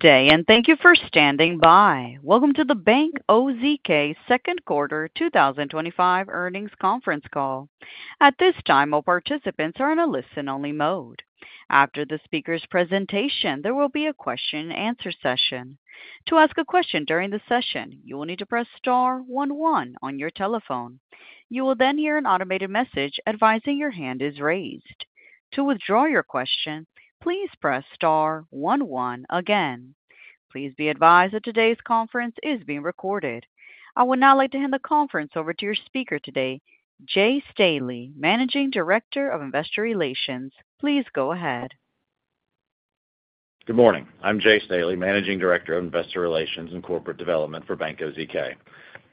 Good day and thank you for standing by. Welcome to the Bank OZK Second Quarter twenty twenty five Earnings Conference Call. At this time, all participants are in a listen only mode. After the speakers' presentation, there will be a question and answer session. To ask a question during the session, you will need to press 11 on your telephone. You will then hear an automated message advising your hand is raised. Please be advised that today's conference is being recorded. I would now like to hand the conference over to your speaker today, Jay Staley, Managing Director of Investor Relations. Please go ahead. Good morning. I'm Jay Staley, Managing Director of Investor Relations and Corporate Development for Bank OZK.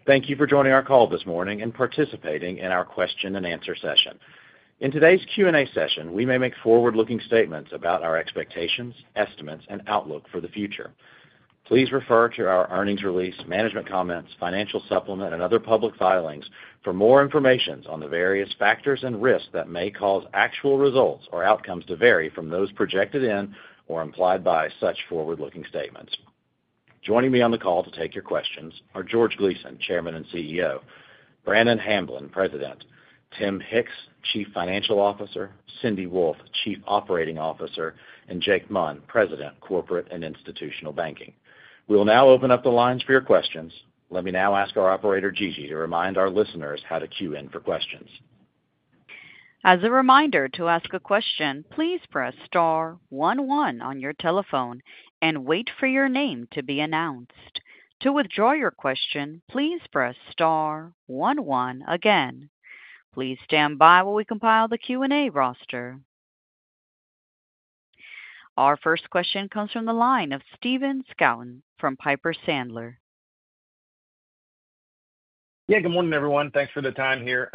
Thank you for joining our call this morning and participating in our question and answer session. In today's Q and A session, we may make forward looking statements about our expectations, estimates and outlook for the future. Please refer to our earnings release, management comments, financial supplement and other public filings for more information on the various factors and risks that may cause actual results or outcomes to vary from those projected in or implied by such forward looking statements. Joining me on the call to take your questions are George Gleason, Chairman and CEO Brandon Hamblin, President Tim Hicks, Chief Financial Officer Cindy Wolfe, Chief Operating Officer and Jake Munn, President, Corporate and Institutional Banking. We will now open up the lines for your questions. Let me now ask our operator, Gigi, to remind our listeners how to queue in for questions. Our first question comes from the line of Stephen Scouten from Piper Sandler. Yes. Good morning, everyone. Thanks for the time here.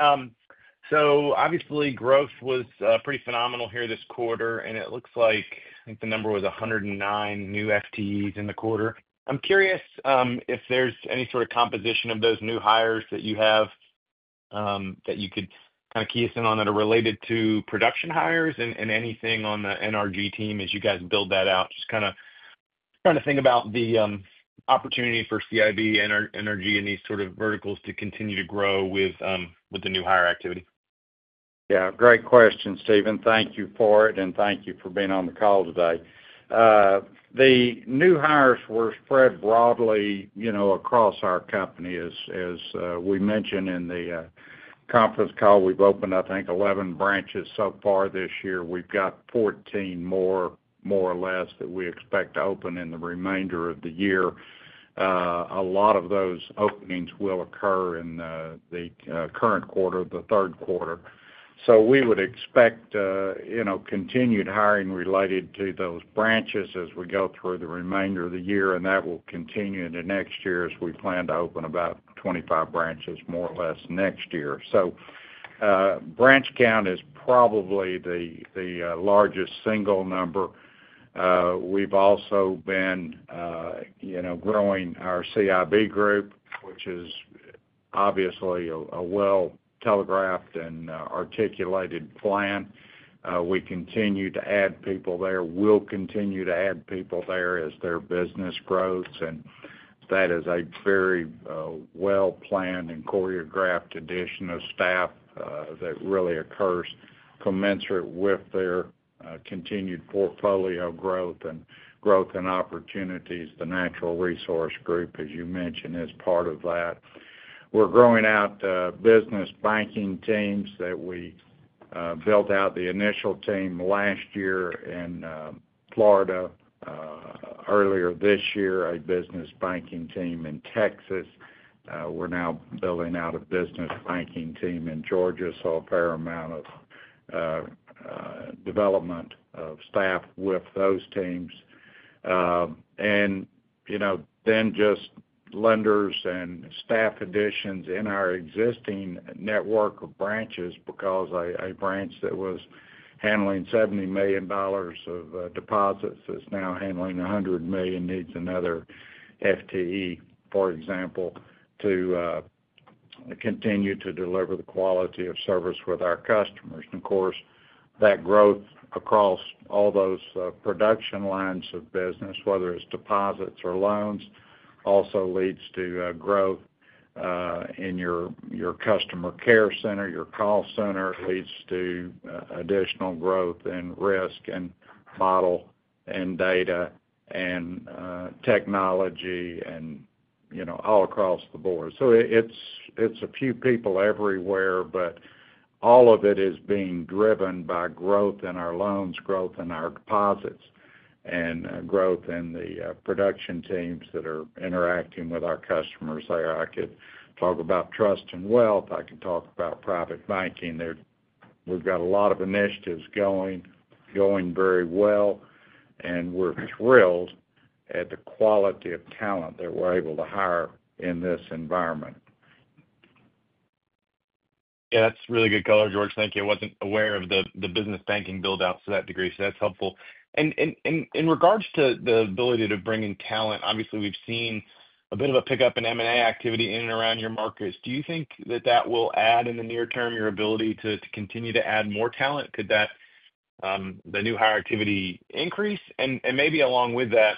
So obviously, was pretty phenomenal here this quarter, and it looks like I think the number was 109 new FTEs in the quarter. I'm curious, if there's any sort of composition of those new hires that you have, that you could kind of key us in on that are related to production hires and anything on the NRG team as you guys build that out? Just kind of of think about the opportunity for CIB and NRG in these sort of verticals to continue to grow with the new hire activity. Yes. Great question, Stephen. Thank you for it and thank you for being on the call today. The new hires were spread broadly across our company. We mentioned in the conference call, we've opened, I think, 11 branches so far this year. We've got 14 or less that we expect to open in the remainder of the year. A lot of those openings will occur in the current quarter, the third quarter. So we would expect continued hiring related to those branches as we go through the remainder of the year, and that will continue into next year as we plan to open about 25 branches, more or less, next year. So branch count is probably the largest single number. We've also been growing our CIB group, which is obviously a well telegraphed and articulated plan. We continue to add people there. We'll continue to add people there as their business grows. And that is a very well planned and choreographed addition of staff that really occurs commensurate with their continued portfolio growth and growth and opportunities. The Natural Resource Group, as you mentioned, is part of that. We're growing out business banking teams that we built out the initial team last year in Florida. Earlier this year, a business banking team in Texas. We're now building out a business banking team in Georgia, so a fair amount of development of staff with those teams. And then just lenders and staff additions in our existing network of branches because a branch that was handling $70,000,000 of deposits is now handling $100,000,000 needs another FTE, for example, to continue to deliver the quality of service with our customers. And of course, that growth across all those production lines of business, whether it's deposits or loans, also leads to growth in your customer care center, your call center leads to additional growth in risk and model and data and technology and all across the board. So it's a few people everywhere, but all of it is being driven by growth in our loans, growth in our deposits, and growth in the production teams that are interacting with our customers. Could talk about trust and wealth. I can talk about private banking. We've got a lot of initiatives going very well. And we're thrilled at the quality of talent that we're able to hire in this environment. Yeah. That's really good color, George. Thank you. I wasn't aware of the business banking build out to that degree, so that's helpful. And in regards to the ability to bring in talent, obviously, we've seen a bit of a pickup in M and A activity in and around your markets. Do you think that that will add in the near term your ability to continue to add more talent? Could that the new hire activity increase? And maybe along with that,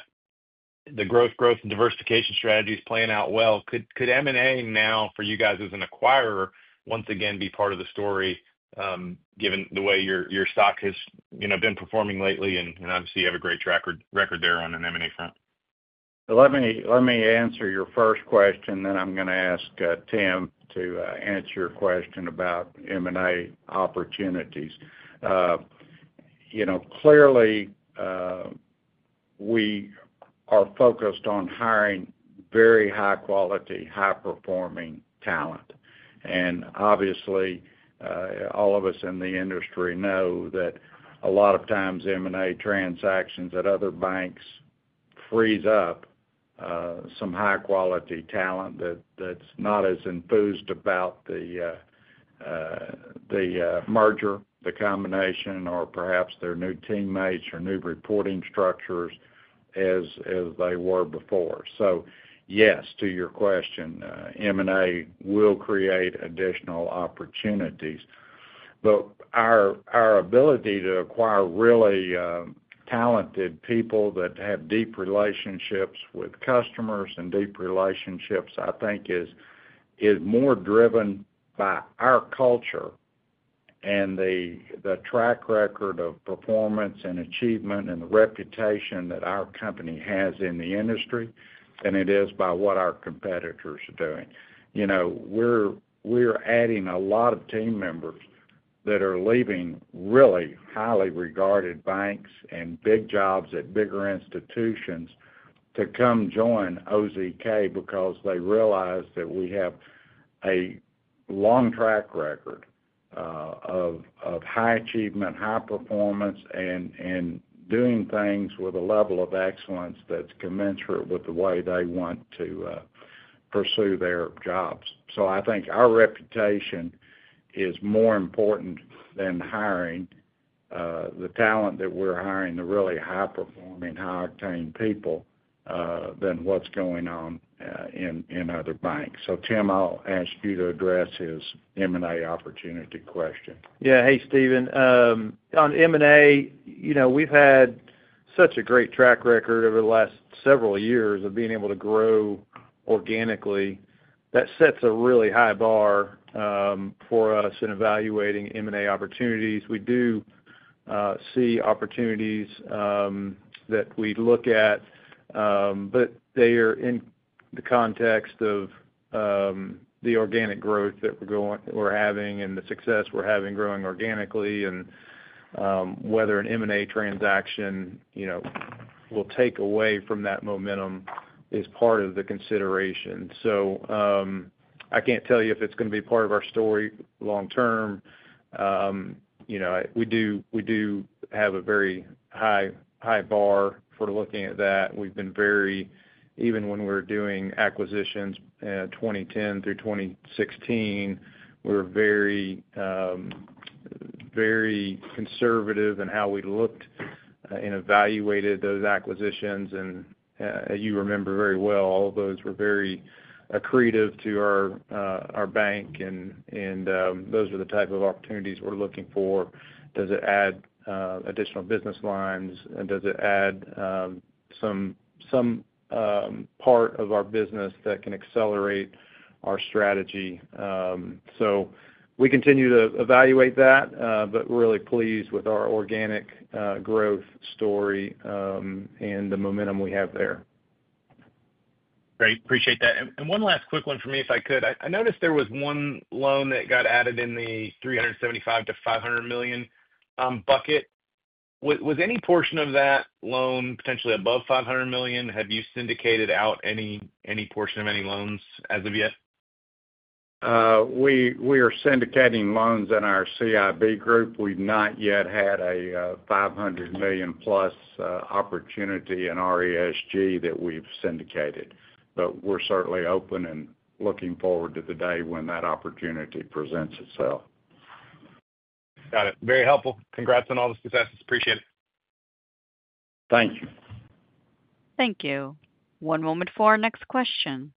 the growth and diversification strategy is playing out well. Could M and A now for you guys as an acquirer once again be part of the story given the way your stock has been performing lately and obviously you have a great track record there on an M and A front? Let me answer your first question then I'm going to ask Tim to answer your question about M and A opportunities. Clearly, we are focused on hiring very high quality, high performing talent. And obviously, all of us in the industry know that a lot of times M and A transactions at other banks freeze up some high quality talent that's not as enthused about the merger, the combination or perhaps their new teammates or new reporting structures as they were before. So yes, to your question, M and A will create additional opportunities. But our ability to acquire really talented people that have deep relationships with customers and deep relationships, I think, is more driven by our culture and the track record of performance and achievement and the reputation that our company has in the industry than it is by what our competitors are doing. We're adding a lot of team members that are leaving really highly regarded banks and big jobs at bigger institutions to come join OZK because they realize that we have a long track record of high achievement, high performance, and doing things with a level of excellence that's commensurate with the way they want to pursue their jobs. So I think our reputation is more important than hiring. The talent that we're hiring, the really high performing, high paying people than what's going on in other banks. So Tim, I'll ask you to address his M and A opportunity question. Yeah. Hey, Stephen. On M and A, we've had such a great track record over the last several years of being able to grow organically. That sets a really high bar for us in evaluating M and A opportunities. We do see opportunities that we look of the organic growth that we're having and the success we're having growing organically and whether an M and A transaction will take away from that momentum is part of the consideration. So I can't tell you if it's going to be part of our story long term. We do have a very high bar for looking at that. We've been very even when we're doing acquisitions 2010 through 2016, we're very conservative in how we looked and evaluated those acquisitions. And you remember very well, all of those were very accretive to our bank and those are the type of opportunities we're looking for. Does it add additional business lines? And does it add some part of our business that can accelerate our strategy? So we continue to evaluate that, but really pleased with our organic growth story and the momentum we have there. Great. Appreciate that. And one last quick one for me, if I could. I noticed there was one loan that got added in the $375,000,000 to $500,000,000 bucket. Was any portion of that loan potentially above $500,000,000 Have you syndicated out any portion of any loans as of yet? We are syndicating loans in our CIB group. We've not yet had a 500,000,000 plus opportunity in RESG that we've syndicated. But we're certainly open and looking forward to the day when that opportunity presents itself. Got it. Very helpful. Congrats on all the successes. Appreciate it. Thank you. Thank you. One moment for our next question.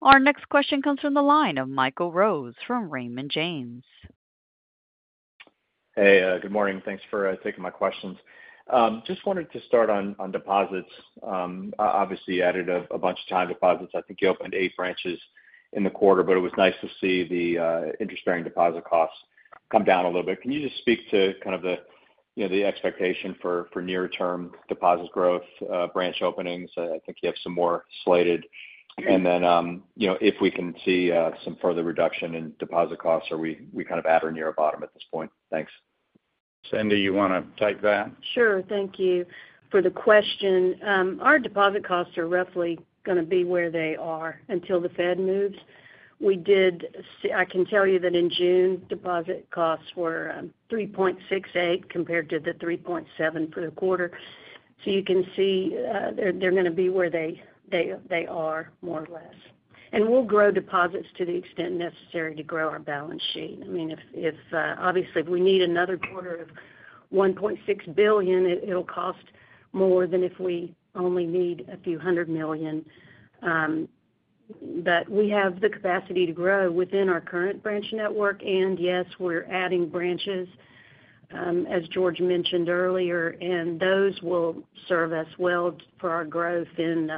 Our next question comes from the line of Michael Rose from Raymond James. Hey, good morning. Thanks for taking my questions. Just wanted to start on deposits. Obviously, you added a bunch of time deposits. I think you opened eight branches in the quarter, but it was nice to see the interest bearing deposit costs come down a little bit. Can you just speak to kind of the expectation for near term deposit growth branch openings? I think you have some more slated. And then if we can see some further reduction in deposit costs, are we kind of at or near a bottom Thanks. Cindy, you want to take that? Sure. Thank you for the question. Our deposit costs are roughly going to be where they are until the Fed moves. We did see I can tell you that in June, costs were 3.68% compared to the 3.7% for the quarter. So you can see they're going to be where they are more or less. And we'll grow deposits to the extent necessary to grow our balance sheet. I mean, if obviously, if we need another quarter of $1,600,000,000 it'll cost more than if we only need a few 100,000,000. But we have the capacity to grow within our current branch network. And yes, we're adding branches, as George mentioned earlier, and those will serve us well for our growth in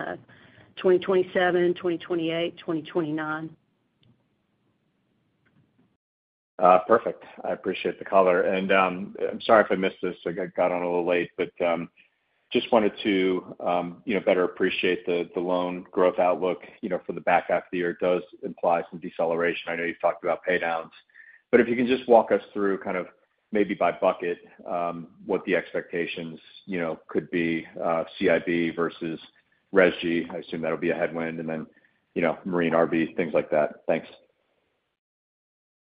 2027, 2028, 2029. Perfect. I appreciate the color. And I'm sorry if I missed this. I got on a little late, but just wanted to better appreciate the loan growth outlook for the back half of the year. It does imply some deceleration. I know you've talked about pay downs. If But you can just walk us through kind of maybe by bucket, what the expectations could be CIB versus RESG, I assume that will be a headwind and then Marine, RV, things like that. Thanks.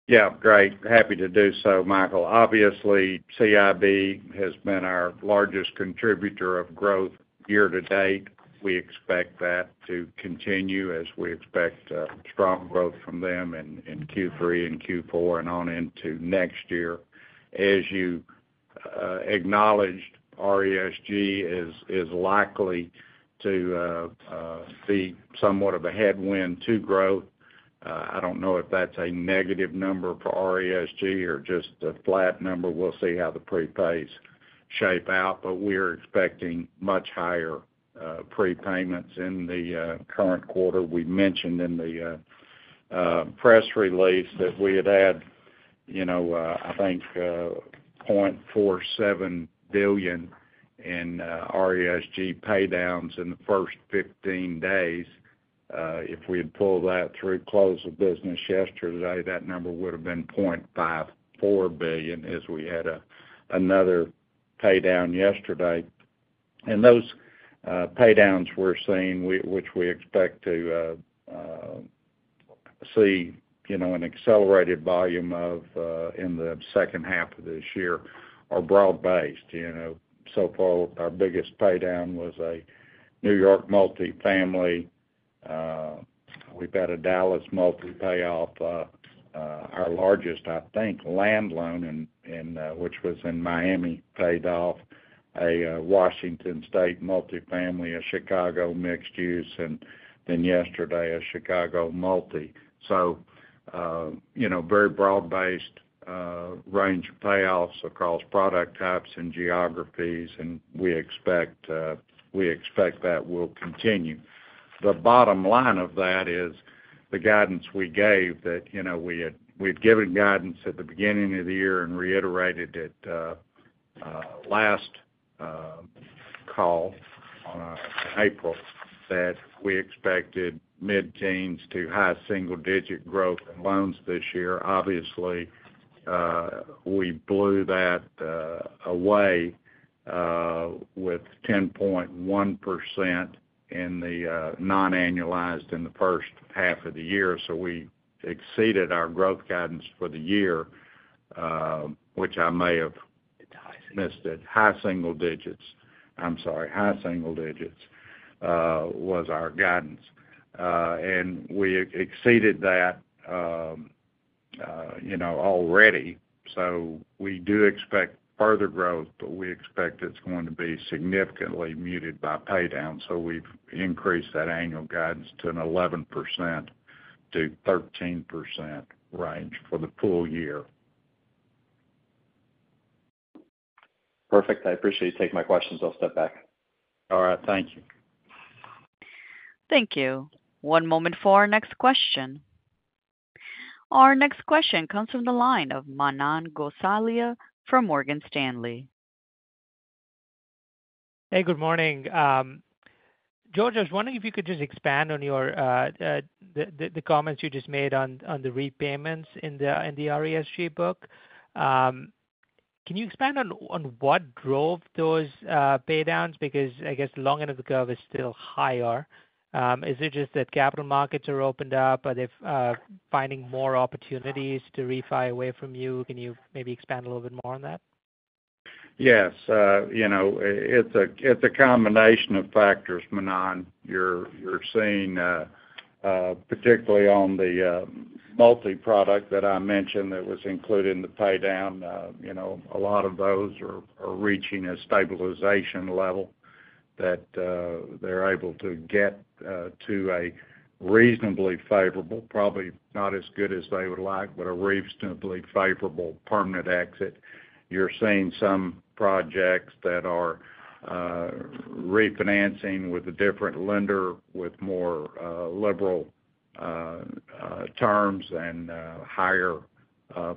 Yes, great. Happy to do so, Michael. Obviously, CIB has been our largest contributor of growth year to date. We expect that to continue as we expect strong growth from them in Q3 and Q4 and on into next year. As you acknowledged, RESG is likely to be somewhat of a headwind to growth. I don't know if that's a negative number for RESG or just a flat number. We'll see how the prepays shape out. But we are expecting much higher prepayments in the current quarter. We mentioned in the press release that we had had, I think, 470,000,000.00 in RESG paydowns in the first fifteen days. If we had pulled that through close of business yesterday, that number would have been $540,000,000 as we had another paydown yesterday. And those paydowns we're seeing, which we expect to see an accelerated volume of in the second half of this year, are broad based. So far, our biggest paydown was a New York multifamily. We've had a Dallas multi payoff. Our largest, I think, land loan, which was in Miami, paid off a Washington State multifamily, a Chicago mixed use, and then yesterday, a Chicago multi. So very broad based range of payoffs across product types and geographies, and we expect that will continue. The bottom line of that is the guidance we gave that we given guidance at the beginning of the year and reiterated it last call in April that we expected mid teens to high single digit growth in loans this year. Obviously, we blew that away with 10.1% in the non annualized in the first half of the year. So we exceeded our growth guidance for the year, which I may have missed it, high single digits I'm sorry, high single digits was our guidance. And we exceeded that already. So we do expect further growth, but we expect it's going to be significantly muted by pay down. So we've increased that annual guidance to an 11% to 13% range for the full year. Perfect. I appreciate you taking my questions. I'll step back. All right. Thank you. Thank you. One moment for our next question. Our next question comes from the line of Manan Gosalia from Morgan Stanley. Hey, good morning. George, I was wondering if you could just expand on your the comments you just made on the repayments in the RESG book. Can you expand on what drove those pay downs? Because I guess long end of the curve is still higher. Is it just that capital markets are opened up, but they're finding more opportunities to refi away from you? Can you maybe expand a little bit more on that? Yes. It's a combination of factors, Manon. You're seeing particularly on the multi product that I mentioned that was included in the pay down, a lot of those are reaching a stabilization level that they're able to get to a reasonably favorable, probably not as good as they would like, but a reasonably favorable permanent exit. You're seeing some projects that are refinancing with a different lender with more liberal terms and higher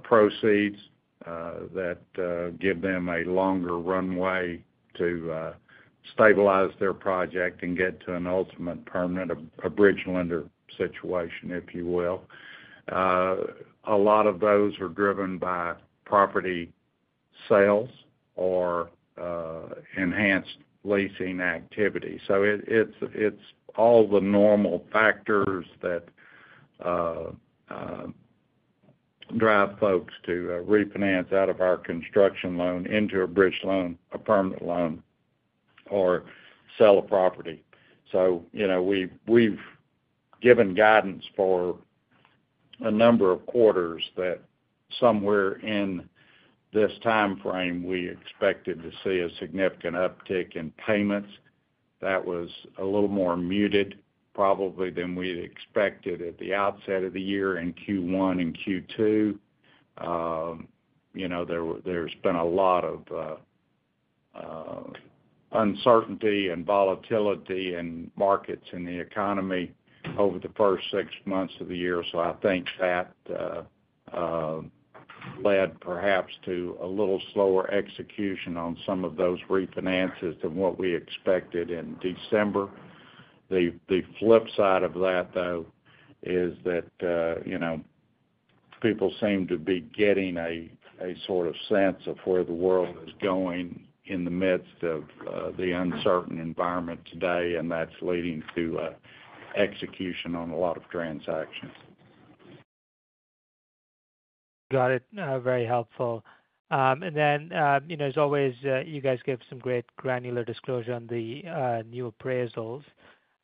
proceeds that give them a longer runway to stabilize their project and get to an ultimate permanent bridge lender situation, if you will. A lot of those are driven by property sales or enhanced leasing activity. So it's all the normal factors that drive folks to refinance out of our construction loan into a bridge loan, a permanent loan, or sell a property. So we've given guidance for a number of quarters that somewhere in this time frame, we expected to see a significant uptick in payments. That was a little more muted probably than we had expected at the outset of the year in Q1 and Q2. There's been a lot of uncertainty and volatility in markets in the economy over the first six months of the year. So I think that led perhaps to a little slower execution on some of those refinances than what we expected in December. The flip side of that though is that people seem to be getting a sort of sense of where the world is going in the midst of the uncertain environment today and that's leading to execution on a lot of transactions. Got it. Very helpful. And then as always, you guys gave some great granular disclosure on the new appraisals.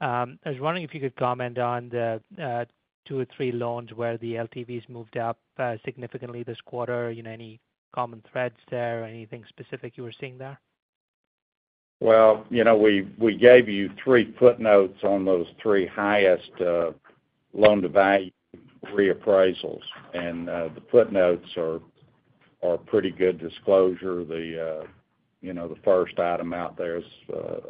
I was wondering if you could comment on the two or three loans where the LTVs moved up significantly this quarter. Any common threads there? Anything specific you were seeing there? Well, we gave you three footnotes on those three highest loan to value reappraisals. And the footnotes are pretty good disclosure. The first item out there is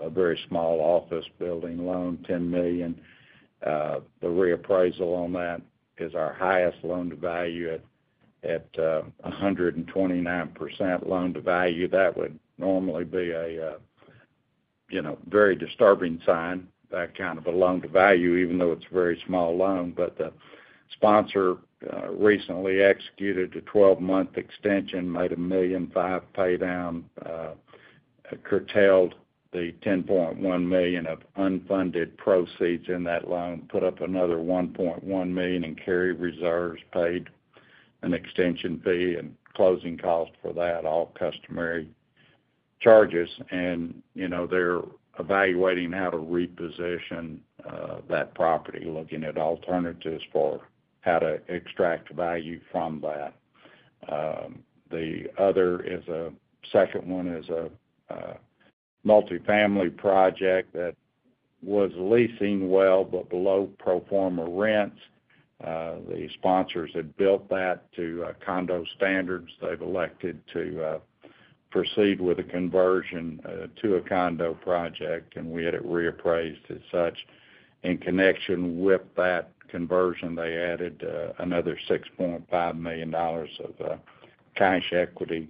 a very small office building loan, 10,000,000. The reappraisal on that is our highest loan to value at 129% loan to value. That would normally be a very disturbing sign, that kind of a loan to value, even though it's a very small loan. But the sponsor recently executed a twelve month extension, made $1,000,000 paydown, curtailed the $10,100,000 of unfunded proceeds in that loan, put up another $1,100,000 in carry reserves, paid an extension fee and closing cost for that, all customary charges. And they're evaluating how to reposition that property, looking at alternatives for how to extract value from that. The other is a second one is a multifamily project that was leasing well but below pro form a rents. The sponsors had built that to condo standards. They've elected to proceed with a conversion to a condo project, and we had it reappraised as such. In connection with that conversion, they added another $6,500,000 of cash equity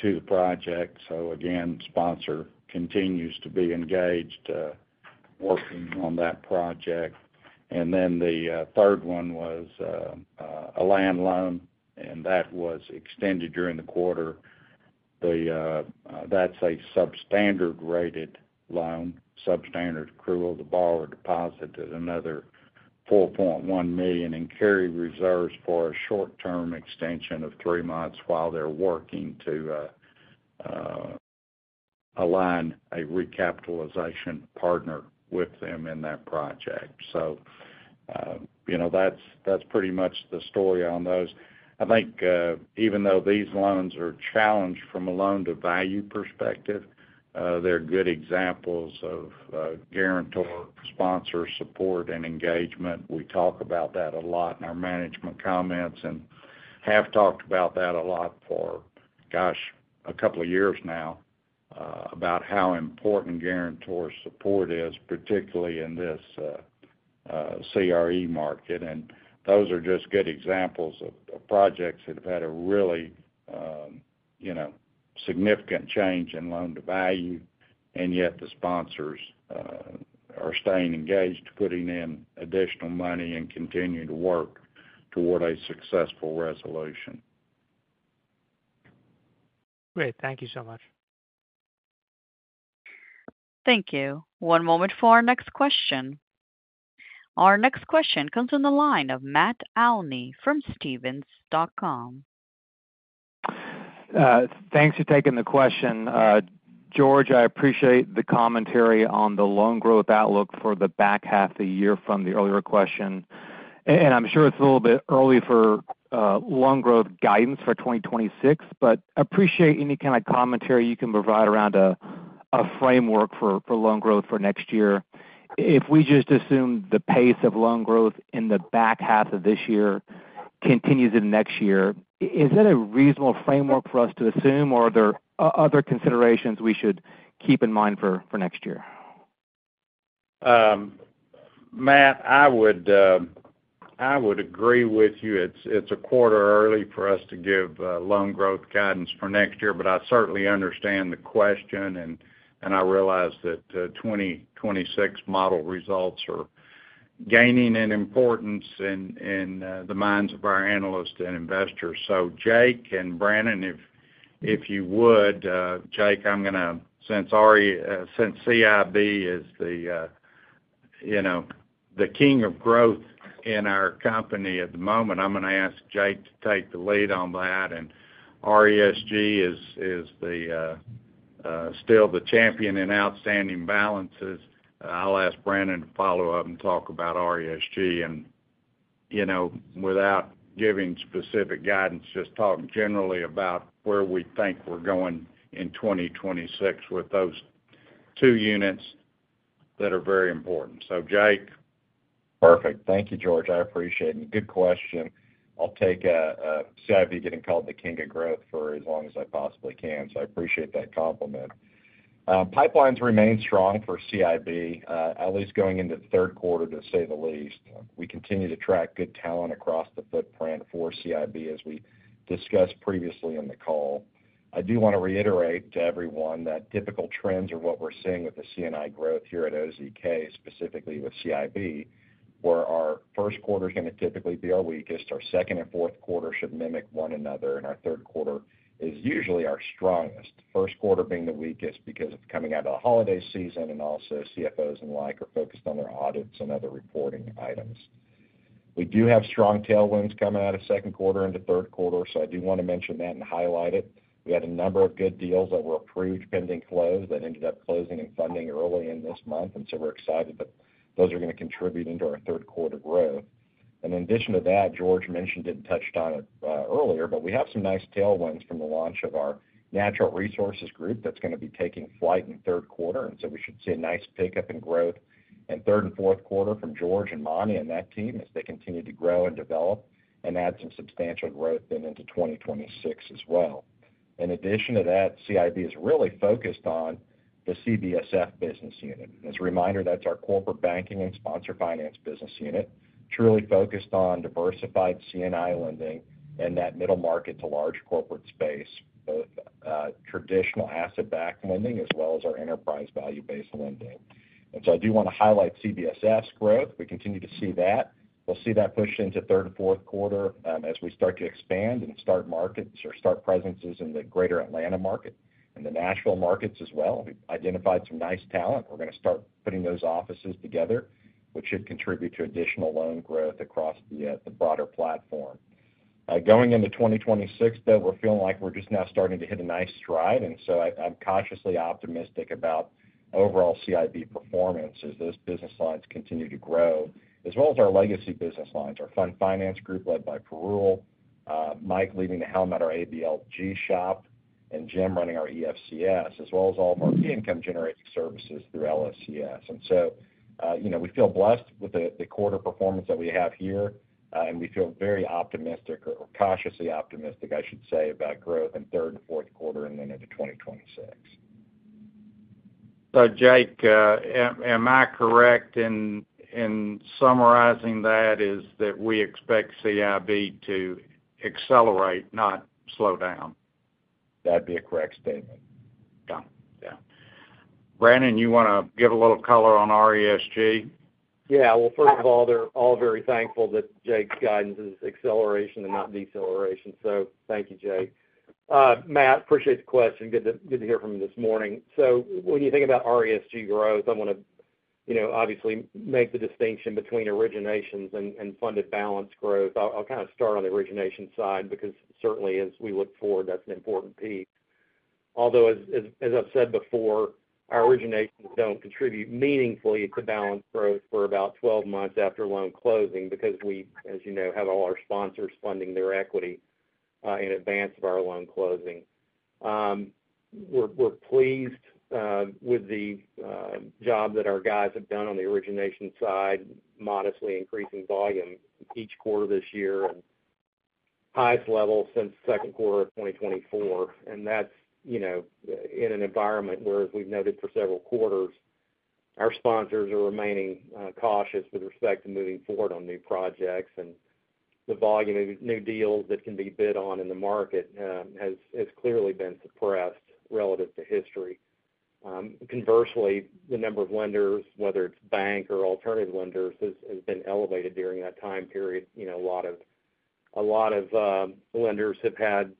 to the project. So again, sponsor continues to be engaged working on that project. And then the third one was a land loan, and that was extended during the quarter. That's a substandard rated loan, substandard accrual. The borrower deposited another $4,100,000 in carry reserves for a short term extension of three months while they're working to align a recapitalization partner with them in that project. So that's pretty much the story on those. I think even though these loans are challenged from a loan to value perspective, they're good examples of guarantor sponsor support and engagement. We talk about that a lot in our management comments and have talked about that a lot for, gosh, a couple of years now, about how important guarantor support is, particularly in this CRE market. And those are just good examples of projects that have had a really significant change in loan to value, and yet the sponsors are staying engaged, putting in additional money and continuing to work toward a successful resolution. Great. Thank you so much. Thank you. One moment for our next question. Our next question comes from the line of Matt Alney from stephens.com. Thanks for taking the question. George, I appreciate the commentary on the loan growth outlook for the back half of the year from the earlier question. And I'm sure it's a little bit early for loan growth guidance for 2026, but appreciate any kind of commentary you can provide around a framework for loan growth for next year. If we just assume the pace of loan growth in the back half of this year continues in next year, is that a reasonable framework for us to assume? Or are there other considerations we should keep in mind for next year? Matt, I would agree with you. It's a quarter early for us to give loan growth guidance for next year, but I certainly understand the question and I realize that 2026 model results are gaining an importance in the minds of our analysts and investors. So Jake and Brannen, you would, Jake, I'm going since CIB is the king of growth in our company at the moment, I'm going to ask Jake to take the lead on that. And RESG is still the champion in outstanding balances. I'll ask Brandon to follow-up and talk about RESG. And without giving specific guidance, just talking generally about where we think we're going in 2026 with those two units that are very important. So Jake? Perfect. Thank you, George. I appreciate it. And good question. I'll take CIB getting called the King of Growth for as long as possibly can. So I appreciate that compliment. Pipelines remain strong for CIB, at least going into the third quarter, to say the least. We continue to track good talent across the footprint for CIB, as we discussed previously in the call. I do want to reiterate to everyone that typical trends are what we're seeing with the C and I growth here at OZK, specifically with CIB, where our first quarter is going to typically be our weakest, our second and fourth quarter should mimic one another, and our third quarter is usually our strongest, first quarter being the weakest because of coming out of the holiday season and also CFOs and the like are focused on their audits and other reporting items. We do have strong tailwinds coming out of second quarter and the third quarter, so I do want to mention that and highlight it. We had a number of good deals that were approved pending close that ended up closing and funding early in this month. And so we're excited that those are going to contribute into our third quarter growth. And in addition to that, George mentioned and touched on it earlier, but we have some nice tailwinds from the launch of our Natural Resources Group that's going to be taking flight in third quarter. And so we should see a nice pickup in growth in third and fourth quarter from George and Mani and that team as they continue to grow and develop and add some substantial growth then into 2026 as well. In addition to that, CIB is really focused on the CBSF business unit. As a reminder, that's our Corporate Banking and Sponsored Finance business unit, truly focused on diversified C and I lending and that middle market to large corporate space, both traditional asset backed lending as well as our enterprise value based lending. And so I do want to highlight CBSS growth. We continue to see that. We'll see that push into third and fourth quarter as we start to expand and start markets or start presences in the Greater Atlanta market and the Nashville markets as well. We've identified some nice talent. We're going to start putting those offices together, which should contribute to additional loan growth across the broader platform. Going into 2026 though, we're feeling like we're just now starting to hit a nice stride. And so I'm cautiously optimistic about overall CIB performance as those business lines continue to grow as well as our legacy business lines, our Fund Finance Group led by Parul, Mike leading the helm at our ABLG shop and Jim running our EFCS as well as all of our fee income generating services through LSCS. And so, we feel blessed with the quarter performance that we have here and we feel very optimistic or cautiously optimistic, I should say, about growth in third and fourth quarter and then into 2026. So Jake, am I correct in summarizing that is that we expect CIB to accelerate, not slow down? That would be a correct statement. Brandon, you want to give a little color on RESG? Yes. Well, first of all, they're all very thankful that Jake's guidance is acceleration and not deceleration. So thank you, Jake. Matt, appreciate the question. Good hear from you this morning. So when you think about RESG growth, I want obviously make the distinction between originations and funded balance growth. I'll kind of start on the origination side because certainly as we look forward, that's an important piece. Although, I've said before, our originations don't contribute meaningfully to balance growth for about twelve months after loan closing because we, as you know, have all our sponsors funding their equity in advance of our loan closing. We're pleased with the job that our guys have done on the origination side, modestly increasing volume each quarter this year, highest level since the second quarter of twenty twenty four, and that's, in an environment where, as we've noted for several quarters, our sponsors are remaining cautious with respect to moving forward on new projects and the volume of new deals that can be bid on in the market has clearly been suppressed relative to history. Conversely, the number of lenders, whether it's bank or alternative lenders, has been elevated during that time period. A lot of lenders have had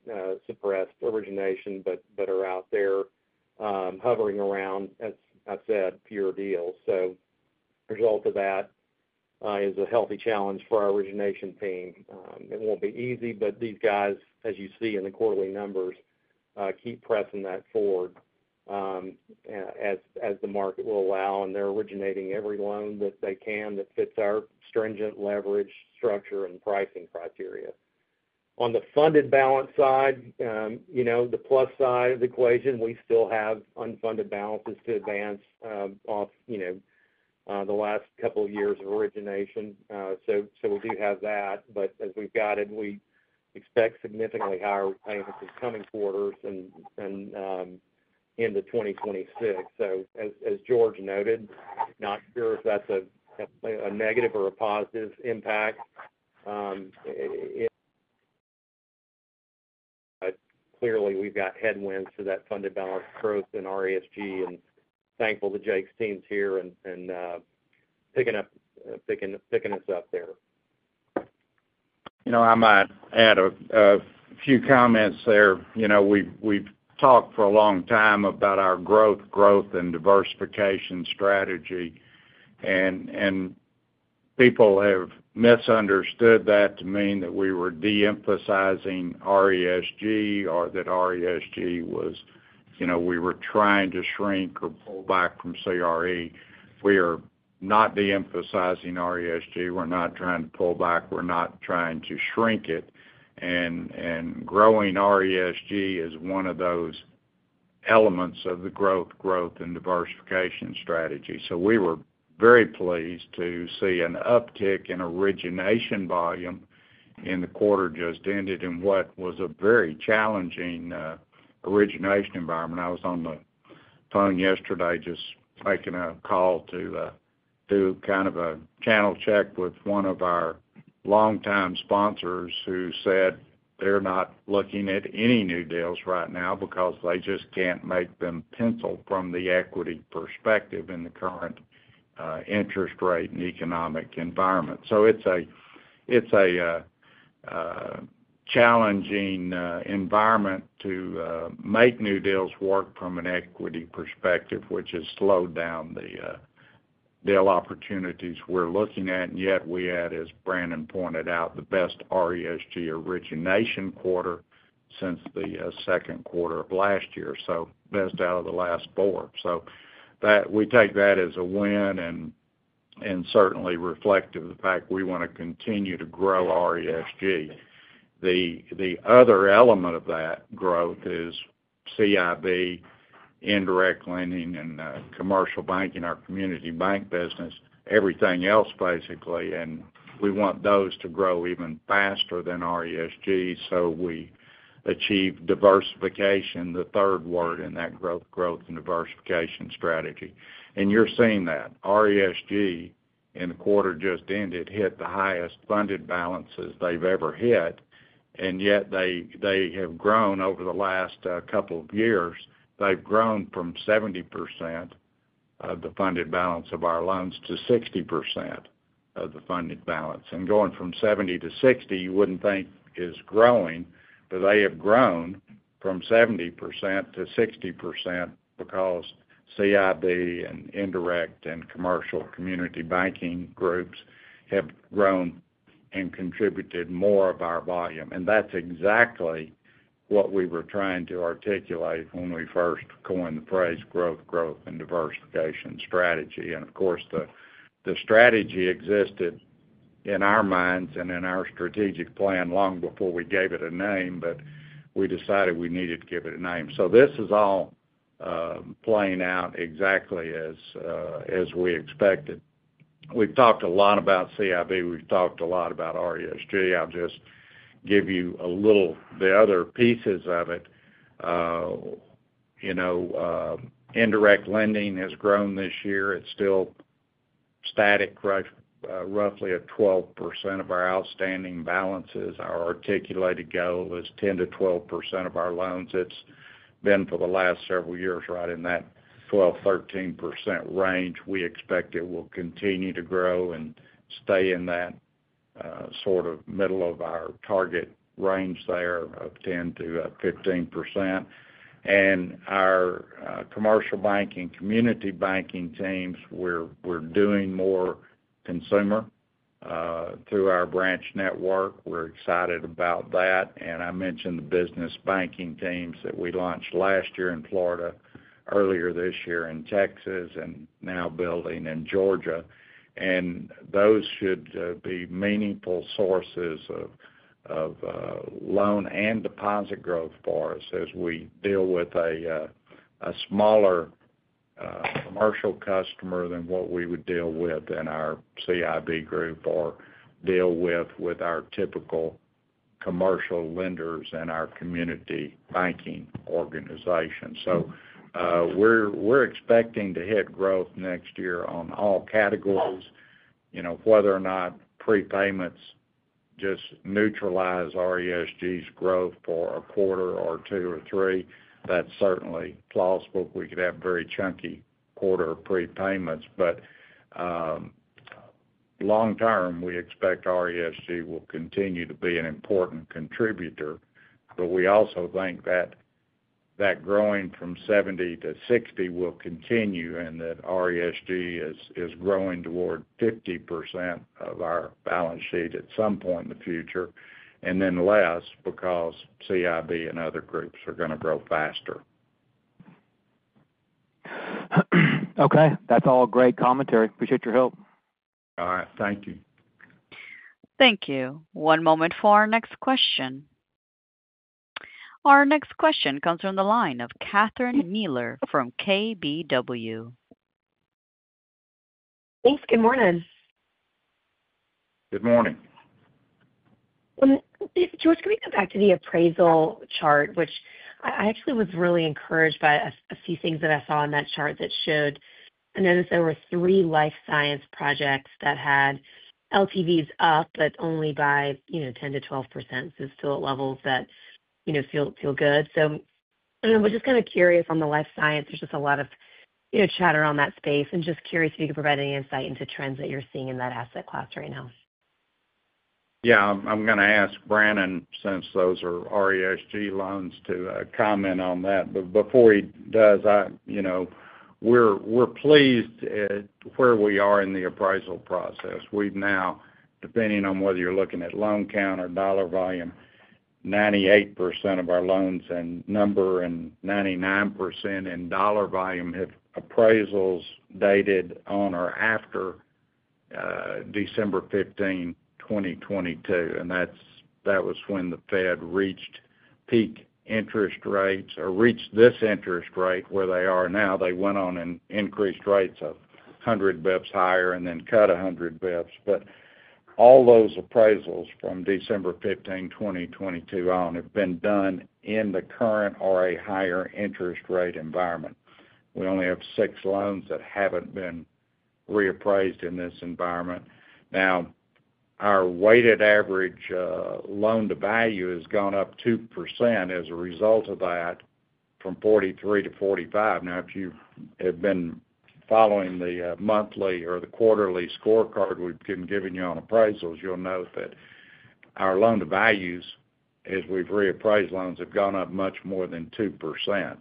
suppressed origination but are out there hovering around, as I said, fewer deals. So result of that is a healthy challenge for our origination team. It won't be easy, but these guys, as you see in the quarterly numbers, keep pressing that forward as the market will allow, and they're originating every loan that they can that fits our stringent leverage structure and pricing criteria. On the funded balance side, the plus side of the equation, we still have unfunded balances to advance off the last couple years of origination, so we do have that. But as we've guided, we expect significantly higher payments this coming quarters and into 2026. As George noted, not sure if that's a negative or a positive impact. Clearly, we've got headwinds to that funded balance growth in RESG and thankful to Jake's teams here and picking us up there. I might add a few comments there. We've talked for a long time about our growth and diversification strategy. And people have misunderstood that to mean that we were deemphasizing RESG or that RESG was we were trying to shrink or pull back from CRE. We are not deemphasizing RESG. We're not trying to pull back. We're not trying to shrink it. And growing RESG is one of those elements of the growth, growth and diversification strategy. So we were very pleased to see an uptick in origination volume in the quarter just ended in what was a very challenging origination environment. I was on the phone yesterday just making a call to do kind of a channel check with one of our longtime sponsors who said they're not looking at any new deals right now because they just can't make them pencil from the equity perspective in the current interest rate and economic environment. So it's challenging environment to make new deals work from an equity perspective, which has slowed down the deal opportunities we're looking at. And yet we had, as Brandon pointed out, the best RESG origination quarter since the second quarter of last year, so best out of the last four. So we take that as a win and certainly reflective of the fact that we want to continue to grow RESG. The other element of that growth is CIB, indirect lending and commercial banking, our community bank business, everything else basically. And we want those to grow even faster than RESG. So we achieve diversification, the third word in that growth and diversification strategy. And you're seeing that. RESG in the quarter just ended hit the highest funded balances they've ever hit. And yet they have grown over the last couple of years. They've grown from 70% of the funded balance of our loans to 60% of the funded balance. And going from 70% to 60%, you wouldn't think is growing, but they have grown from 70% to 60% because CIB and indirect and commercial community banking groups have grown and contributed more of our volume. And that's exactly what we were trying to articulate when we first coined the phrase growth, growth and diversification strategy. And of course, the strategy existed in our minds and in our strategic plan long before we gave it a name, but we decided we needed to give it a name. So this is all playing out exactly as we expected. We've talked a lot about CIB. We've talked a lot about RESG. I'll just give you a little the other pieces of it. Indirect lending has grown this year. It's still static, roughly at 12% of our outstanding balances. Our articulated goal is 10% to 12% of our loans. It's been for the last several years right in that 12%, 13% range. We expect it will continue to grow and stay in that sort of middle of our target range there of 10% to 15%. And our Commercial Banking, Community Banking teams, we're doing more consumer through our branch network. We're excited about that. And I mentioned the business banking teams that we launched last year in Florida, earlier this year in Texas, and now building in Georgia. And those should be meaningful sources of loan and deposit growth for us as we deal with a smaller commercial customer than what we would deal with in our CIB group or deal with our typical commercial lenders and our community banking organization. So we're expecting to hit growth next year on all categories, whether or not prepayments just neutralize growth for a quarter or two or three, that's certainly flawless, but we could have very chunky quarter prepayments. But long term, we expect RESG will continue to be an important contributor. But we also think that growing from 70% to 60% will continue and that RESG is growing toward 50% of our balance sheet at some point in the future and then less because CIB and other groups are going to grow faster. Okay. That's all great commentary. Appreciate your help. All right. Thank you. Thank you. One moment for our next question. Our next question comes from the line of Kathryn Mealor from KBW. Thanks. Good morning. Good morning. George, can we come back to the appraisal chart, which I actually was really encouraged by a few things that I saw in that chart that showed I noticed there were three life science projects that had LTVs up but only by 10% to 12%. So it's still at levels that feel good. I was just kind of curious on the life science. There's just a lot of chatter on that space. And just curious if you could provide any insight into trends that you're seeing in that asset class right now. Yes. I'm going to ask Brannen, since those are RESG loans, to comment on that. But before he does, we're pleased where we are in the appraisal process. We've now, depending on whether you're looking at loan count or dollar volume, 98% of our loans and number and 99 in dollar volume have appraisals dated on or after 12/15/2022. And that was when the Fed reached peak interest rates or reached this interest rate where they are now. They went on and increased rates of 100 bps higher and then cut 100 bps. But all those appraisals from 12/15/2022, on have been done in the current or a higher interest rate environment. We only have six loans that haven't been reappraised in this environment. Now our weighted average loan to value has gone up 2% as a result of that from 43% to 45%. Now if you have been following the monthly or the quarterly scorecard we've been giving you on appraisals, you'll note that our loan to values, as we've reappraised loans, have gone up much more than 2%.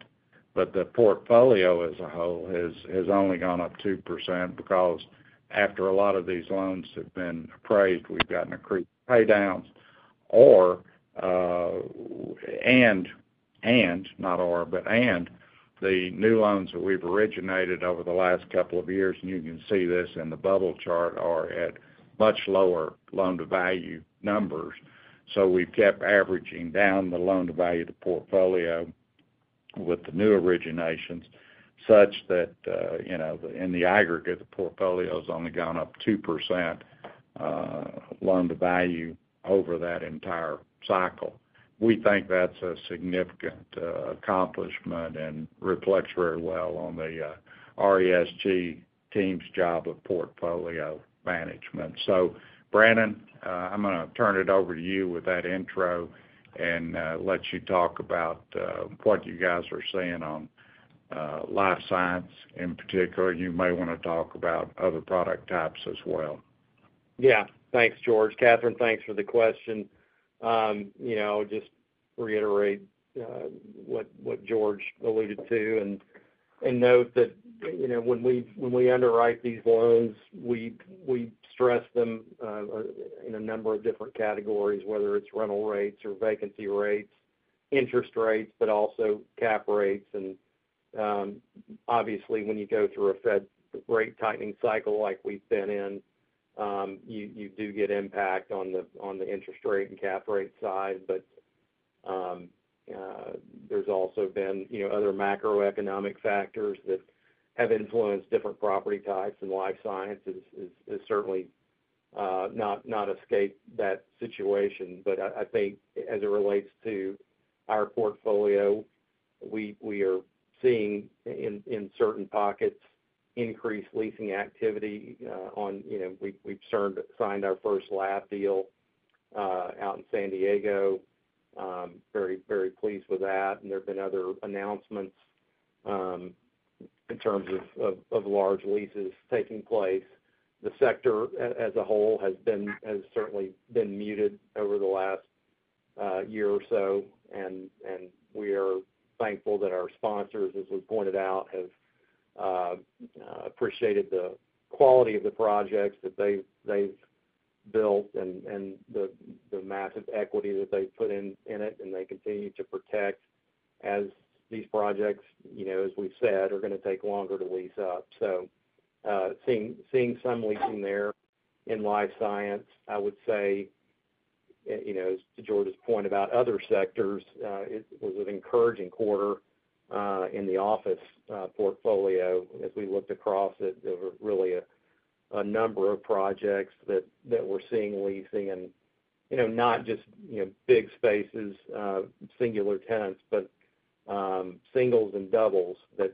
But the portfolio as a whole has only gone up 2% because after a lot of these loans have been appraised, we've gotten accretive paydowns or not or, but and the new loans that we've originated over the last couple of years, and you can see this in the bubble chart, are at much lower loan to value numbers. So we've kept averaging down the loan to value of the portfolio with the new originations such that in the aggregate, the portfolio has only gone up 2% loan to value over that entire cycle. We think that's a significant accomplishment and reflects very well on the RESG team's job of portfolio management. So Brandon, I'm going to turn it over to you with that intro and let you talk about what you guys are seeing on Life Science. In particular, you may want to talk about other product types as well. Yes. Thanks, George. Kathryn, thanks for the question. I'll just reiterate what George alluded to and note that when we underwrite these loans, we stress them in a number of different categories, whether it's rental rates or vacancy rates, interest rates, but also cap rates. And obviously, when you go through a Fed rate tightening cycle like we've been in, you do get impact on the interest rate and cap rate side. But there's also been other macroeconomic factors that have influenced different property types, life sciences has certainly not escape that situation. But I think as it relates to our portfolio, we are seeing in certain pockets increased leasing activity on, you know, we've signed our first lab deal out in San Diego, very, very pleased with that. And there have been other announcements in terms of large leases taking place. The sector as a whole has been has certainly been muted over the last year or so, and and we are thankful that our sponsors, as we pointed out, have, appreciated the quality of the projects that they've built and the massive equity that they've put in it and they continue to protect as these projects, know, as we've said, are going to take longer to lease up. Seeing some leasing there in life science, I would say, to George's point about other sectors, it was an encouraging quarter in the office portfolio as we looked across it. There were really a number of projects that we're seeing leasing and not just big spaces, singular tenants, but singles and doubles that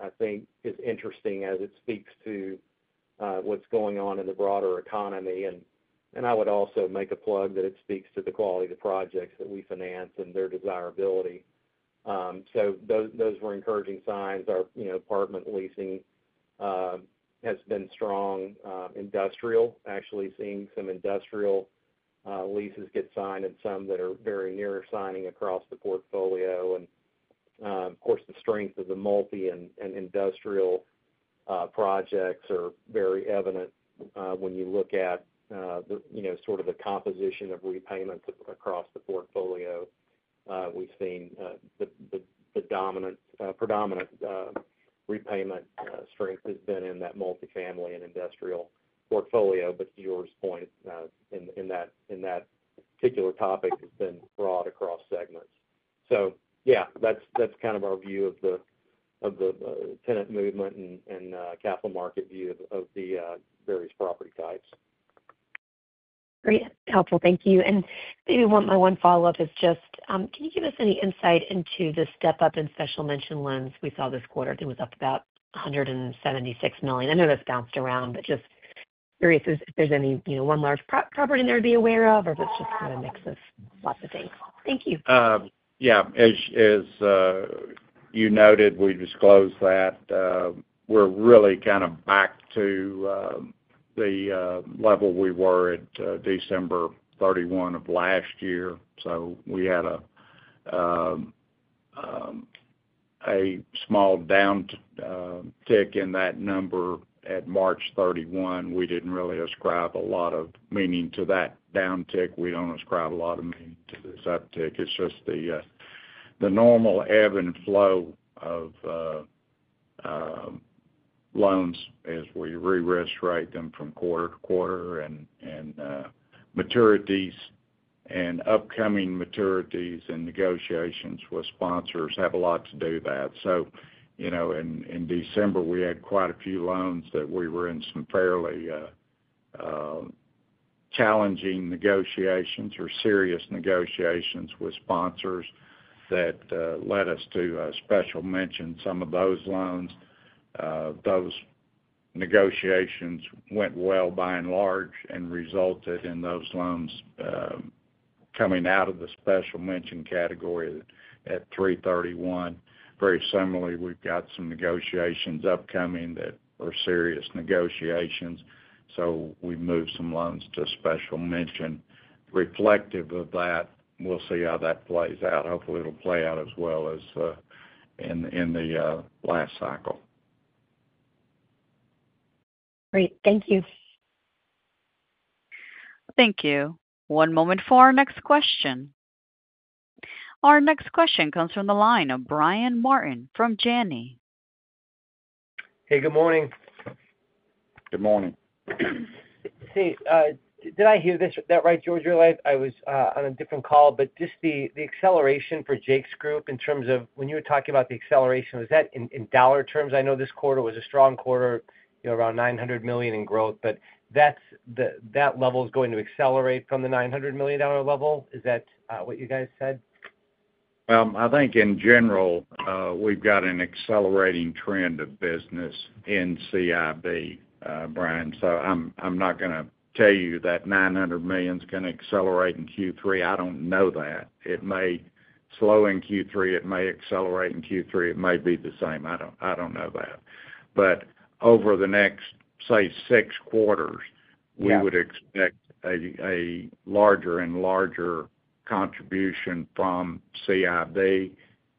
I think is interesting as it speaks to what's going on in the broader economy. And I would also make a plug that it speaks to the quality of the projects that we finance and their desirability. So those were encouraging signs. Our apartment leasing has been strong. Industrial, actually seeing some industrial leases get signed and some that are very near signing across the portfolio. And of course, the strength of the multi and industrial projects are very evident when you look at sort of the composition of repayments across the portfolio. We've seen the predominant repayment strength has been in that multifamily and industrial portfolio, but to your point in that particular topic has been broad across segments. So, yeah, that's kind of our view of the tenant movement and capital market view of the various property types. Great, helpful, thank you. And maybe my one follow-up is just, can you give us any insight into the step up in special mention loans we saw this quarter? It was up about $176,000,000 I know that's bounced around, just curious if there's any one large property in there to be aware of or if it's just kind of mix of lots of things. Thank you. Yeah. As you noted, we disclosed that we're really kind of back to the level we were at December 31 last year. So we had a small downtick in that number at March 31. We didn't really ascribe a lot of meaning to that downtick. We don't ascribe a lot of meaning to this uptick. It's just the normal ebb and flow of loans as we re risk rate them from quarter to quarter and maturities and upcoming maturities and negotiations So in December, we had quite a few loans that we were in some fairly challenging negotiations or serious negotiations with sponsors that led us to special mention some of those loans. Those negotiations went well by and large and resulted in those loans coming out of the special mention category at threethirty 1. Very similarly, we've got some negotiations upcoming that are serious negotiations. So we moved some loans to special mention. Reflective of that, we'll see how that plays out. Hopefully, it will play out as well as in the last cycle. Great. Thank you. Thank you. One moment for our next question. Our next question comes from the line of Brian Martin from Janney. Hey, good morning. Good morning. See, did I hear that right, George? Was on a different call. But just the acceleration for Jake's group in terms of when you were talking about the acceleration, was that in dollar terms? I know this quarter was a strong quarter, around $900,000,000 in growth. But that level is going to accelerate from the $900,000,000 level. Is that what you guys said? I think in general, we've got an accelerating trend of business in CIB, Brian. So I'm not going to tell you that $900,000,000 is going to accelerate in Q3. I don't know that. It may slow in Q3. It may accelerate in Q3. It may be the same. I don't know that. But over the next, say, six quarters, we would expect a larger and larger contribution from CIB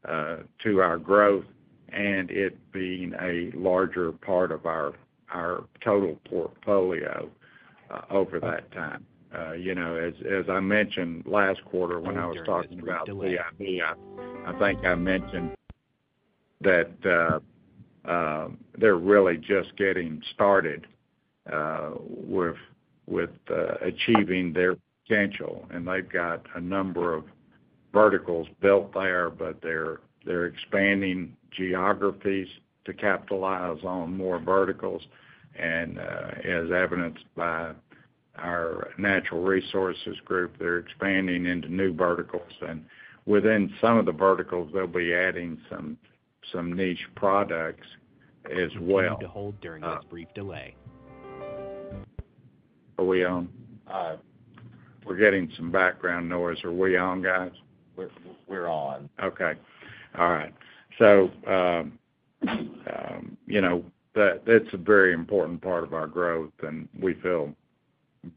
to our growth and it being a larger part of our total portfolio over that time. As I mentioned last quarter when I was talking about I the think I mentioned that they're really just getting started with achieving their potential. And they've got a number of verticals built there, but they're expanding geographies to capitalize on more verticals. And as evidenced by our natural resources group, they're expanding into new verticals. And within some of the verticals, they'll be adding some niche products as well. To hold during this brief delay. Are we on? We're getting some background noise. Are we on, guys? We're we're on. Okay. Alright. So, that's a very important part of our growth, and we feel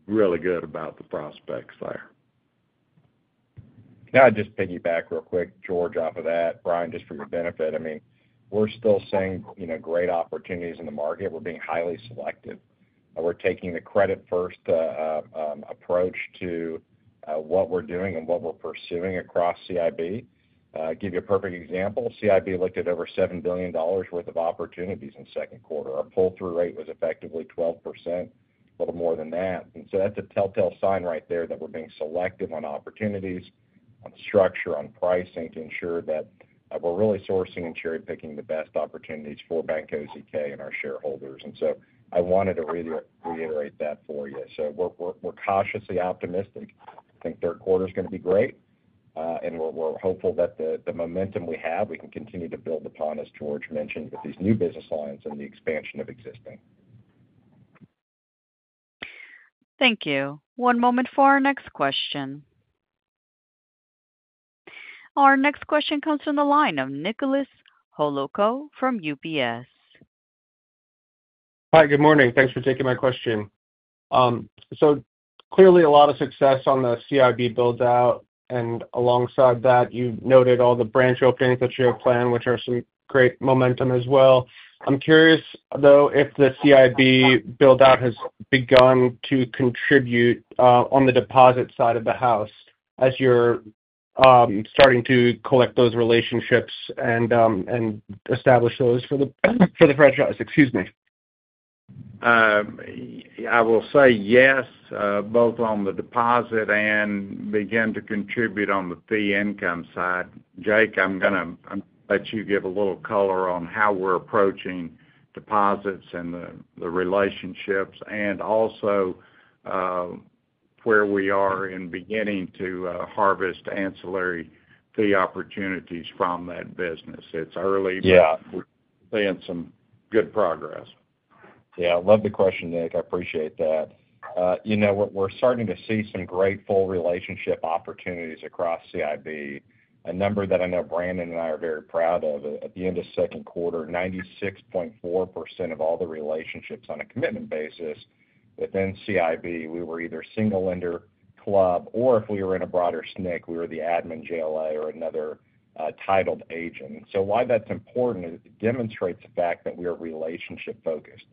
really good about the prospects there. Can I just piggyback real quick, George, of that, Brian, just for your benefit? I mean, we're still seeing great opportunities in the market. We're being highly selective. We're taking the credit first approach to what we're doing and what we're pursuing across CIB. I'll give you a perfect example. CIB looked at over $7,000,000,000 worth of opportunities in second quarter. Our pull through rate was effectively 12%, a little more than that. And so that's a telltale sign right there that we're being selective on opportunities, on structure, on pricing to ensure that we're really sourcing and cherry picking the best opportunities for Bank OZK and our shareholders. And so I wanted to reiterate that for you. So we're cautiously optimistic. I think third quarter is going to be great, and we're hopeful that the momentum we have, we can continue to build upon as George mentioned with these new business lines and the expansion of existing. Thank you. One moment for our next question. Our next question comes from the line of Nicholas Holoco from UBS. Hi, good morning. Thanks for taking my question. So clearly a lot of success on the CIB build out and alongside that you noted all the branch openings that you have planned, which are some great momentum as well. I'm curious though if the CIB build out has begun to contribute on the deposit side of the house as you're starting to collect those relationships and establish those for the franchise, excuse me. I will say yes, both on the deposit and begin to contribute on the fee income side. Jake, I'm going to let you give a little color on how we're approaching deposits and the relationships and also where we are in beginning to harvest ancillary fee opportunities from that business. It's early, but we're seeing some good progress. Yes. I love the question, Nick. I appreciate that. We're starting to see some great full relationship opportunities across CIB, a number that I know Brandon and I are very proud of. At the end of second quarter, 96.4% of all the relationships on a commitment basis within CIB, we were either single lender club or if we were in a broader SNC, we were the admin JLA or another titled agent. So why that's important is it demonstrates the fact that we are relationship focused.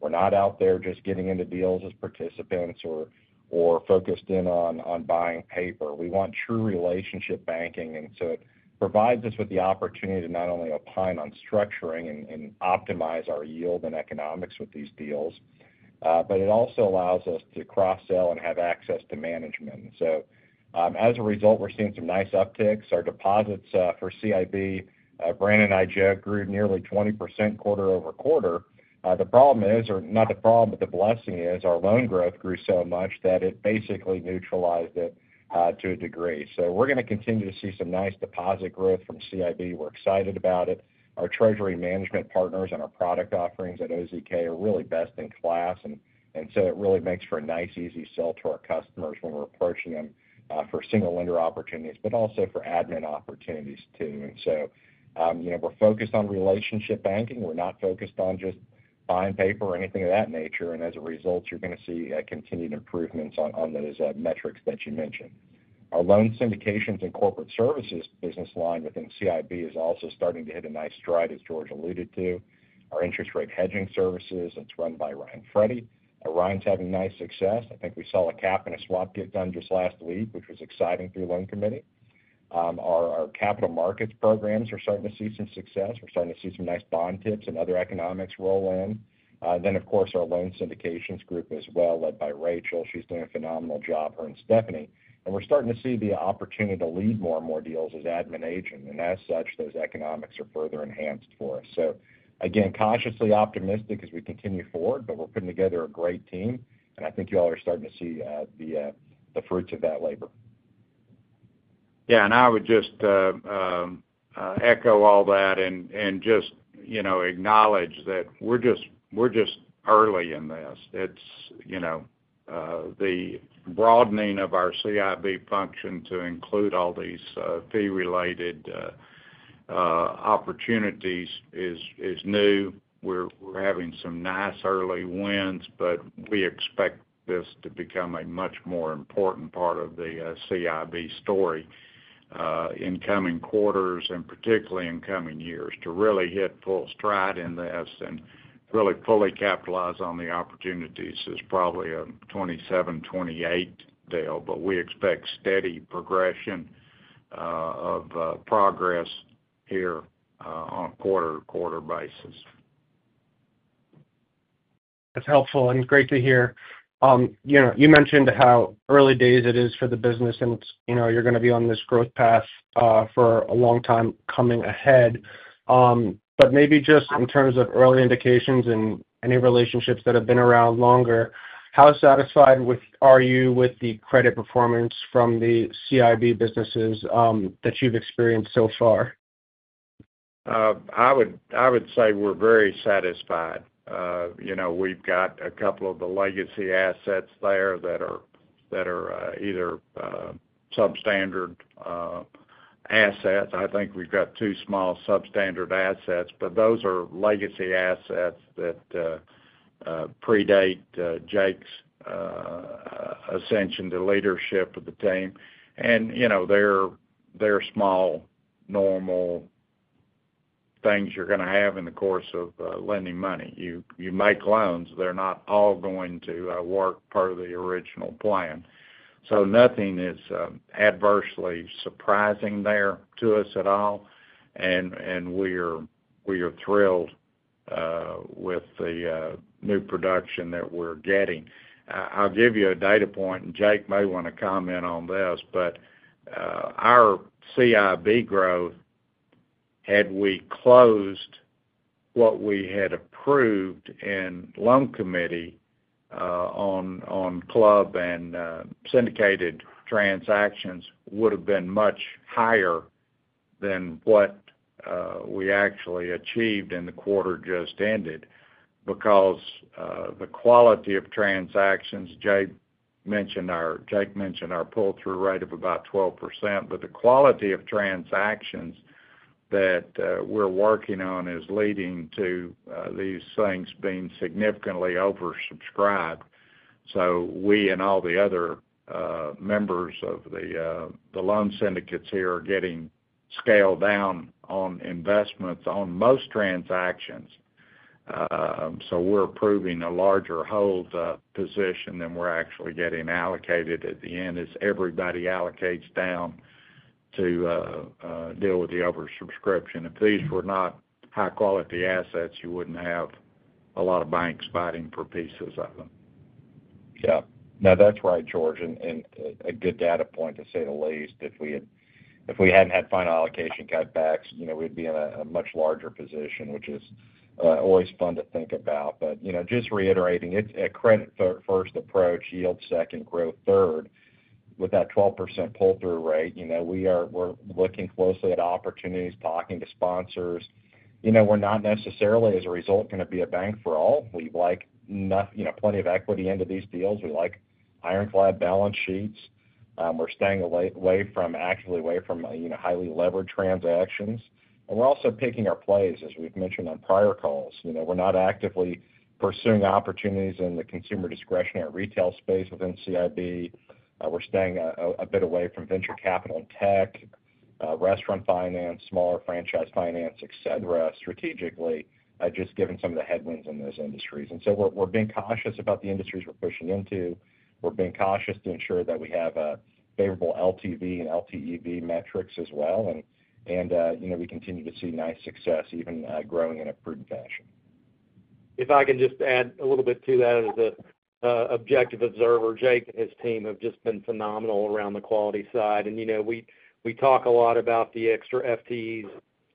We're not out there just getting into deals as participants or or focused in on on buying paper. We want true relationship banking, and so it provides us with the opportunity to not only opine on structuring and optimize our yield and economics with these deals, but it also allows us to cross sell and have access to management. As a result, we're seeing some nice upticks. Our deposits for CIB, Brandon and I, Joe, grew nearly 20% quarter over quarter. The problem is or not the problem, but the blessing is our loan growth grew so much that it basically neutralized it to a degree. So we're going to continue to see some nice deposit growth from CIB. We're excited about it. Our treasury management partners and our product offerings at OZK are really best in class. And so it really makes for a nice easy sell to our customers when we're approaching them for single lender opportunities, but also for admin opportunities too. And so we're focused on relationship banking. We're not focused on just fine paper or anything of that nature. And as a result, you're going to see continued improvements on those metrics that you mentioned. Our loan syndications and corporate services business line within CIB is also starting to hit a nice stride as George alluded to. Our interest rate hedging services, it's run by Ryan Freddie. Ryan is having nice success. I think we saw a cap and a swap get done just last week, which was exciting through loan committee. Our capital markets programs are starting to see some success. We're starting to see some nice bond tips and other economics roll in. Then of course, our loan syndications group as well led by Rachel. She's doing a phenomenal job, her and Stephanie. And we're starting to see the opportunity to lead more and more deals as admin agent. And as such, those economics are further enhanced for us. So again, cautiously optimistic as we continue forward, but we're putting together a great team. And I think you all are starting to see the fruits of that labor. Yeah, and I would just echo all that and just acknowledge that we're just early in this. It's the broadening of our CIB function to include all these fee related opportunities is new. We're having some nice early wins, but we expect this to become a much more important part of the CIB story in coming quarters and particularly in coming years to really hit full stride in this and really fully capitalize on the opportunities is probably a 27, 28, Dale. But we expect steady progression of progress here on a quarter to quarter basis. That's helpful and great to hear. You mentioned how early days it is for the business and you're going to be on this growth path for a long time coming ahead. But maybe just in terms of early indications and any relationships that have been around longer, how satisfied are you with the credit performance from the CIB businesses that you've experienced so far? I would say we're very satisfied. We've got a couple of the legacy assets there that are either substandard assets. I think we've got two small substandard assets. But those are legacy assets that predate Jake's ascension to leadership of the team. And they're small, normal things you're going to have in the course of lending money. You make loans. They're not all going to work per the original plan. So nothing is adversely surprising there to us at all. And we are thrilled with the new production that we're getting. I'll give you a data point, and Jake may want to comment on this. But our CIB growth, had we closed what we had approved in loan committee on club and syndicated transactions, would have been much higher than what we actually achieved in the quarter just ended because the quality of transactions Jake mentioned our pull through rate of about 12%. But the quality of transactions that we're working on is leading to these things being significantly oversubscribed. So we and all the other members of the loan syndicates here are getting scaled down on investments on most transactions. So we're approving a larger hold position than we're actually getting allocated at the end as everybody allocates down to deal with the oversubscription. If these were not high quality assets, you wouldn't have a lot of banks fighting for pieces of them. Yes. No, that's right, George, and a good data point, to say the least. If we hadn't had final allocation cutbacks, we'd be in a much larger position, which is always fun to think about. But just reiterating, it's a credit first approach, yield second, growth third. With that 12% pull through rate, we are we're looking closely at opportunities, talking to sponsors. We're not necessarily, as a result, going to be a bank for all. We like plenty of equity into these deals. We like ironclad balance sheets. We're staying away from actually away from highly leveraged transactions. And we're also picking our plays, as we've mentioned on prior calls. We're not actively pursuing opportunities in the consumer discretionary retail space within CIB. We're staying a bit away from venture capital and tech, restaurant finance, smaller franchise finance, etcetera, strategically, just given some of the headwinds in those industries. And so we're being cautious about the industries we're pushing into. We're being cautious to ensure that we have a favorable LTV and LTEV metrics as well. And we continue to see nice success even growing in a prudent fashion. If I can just add a little bit to that as a objective observer, Jake and his team have just been phenomenal around the quality side. And we talk a lot about the extra FTEs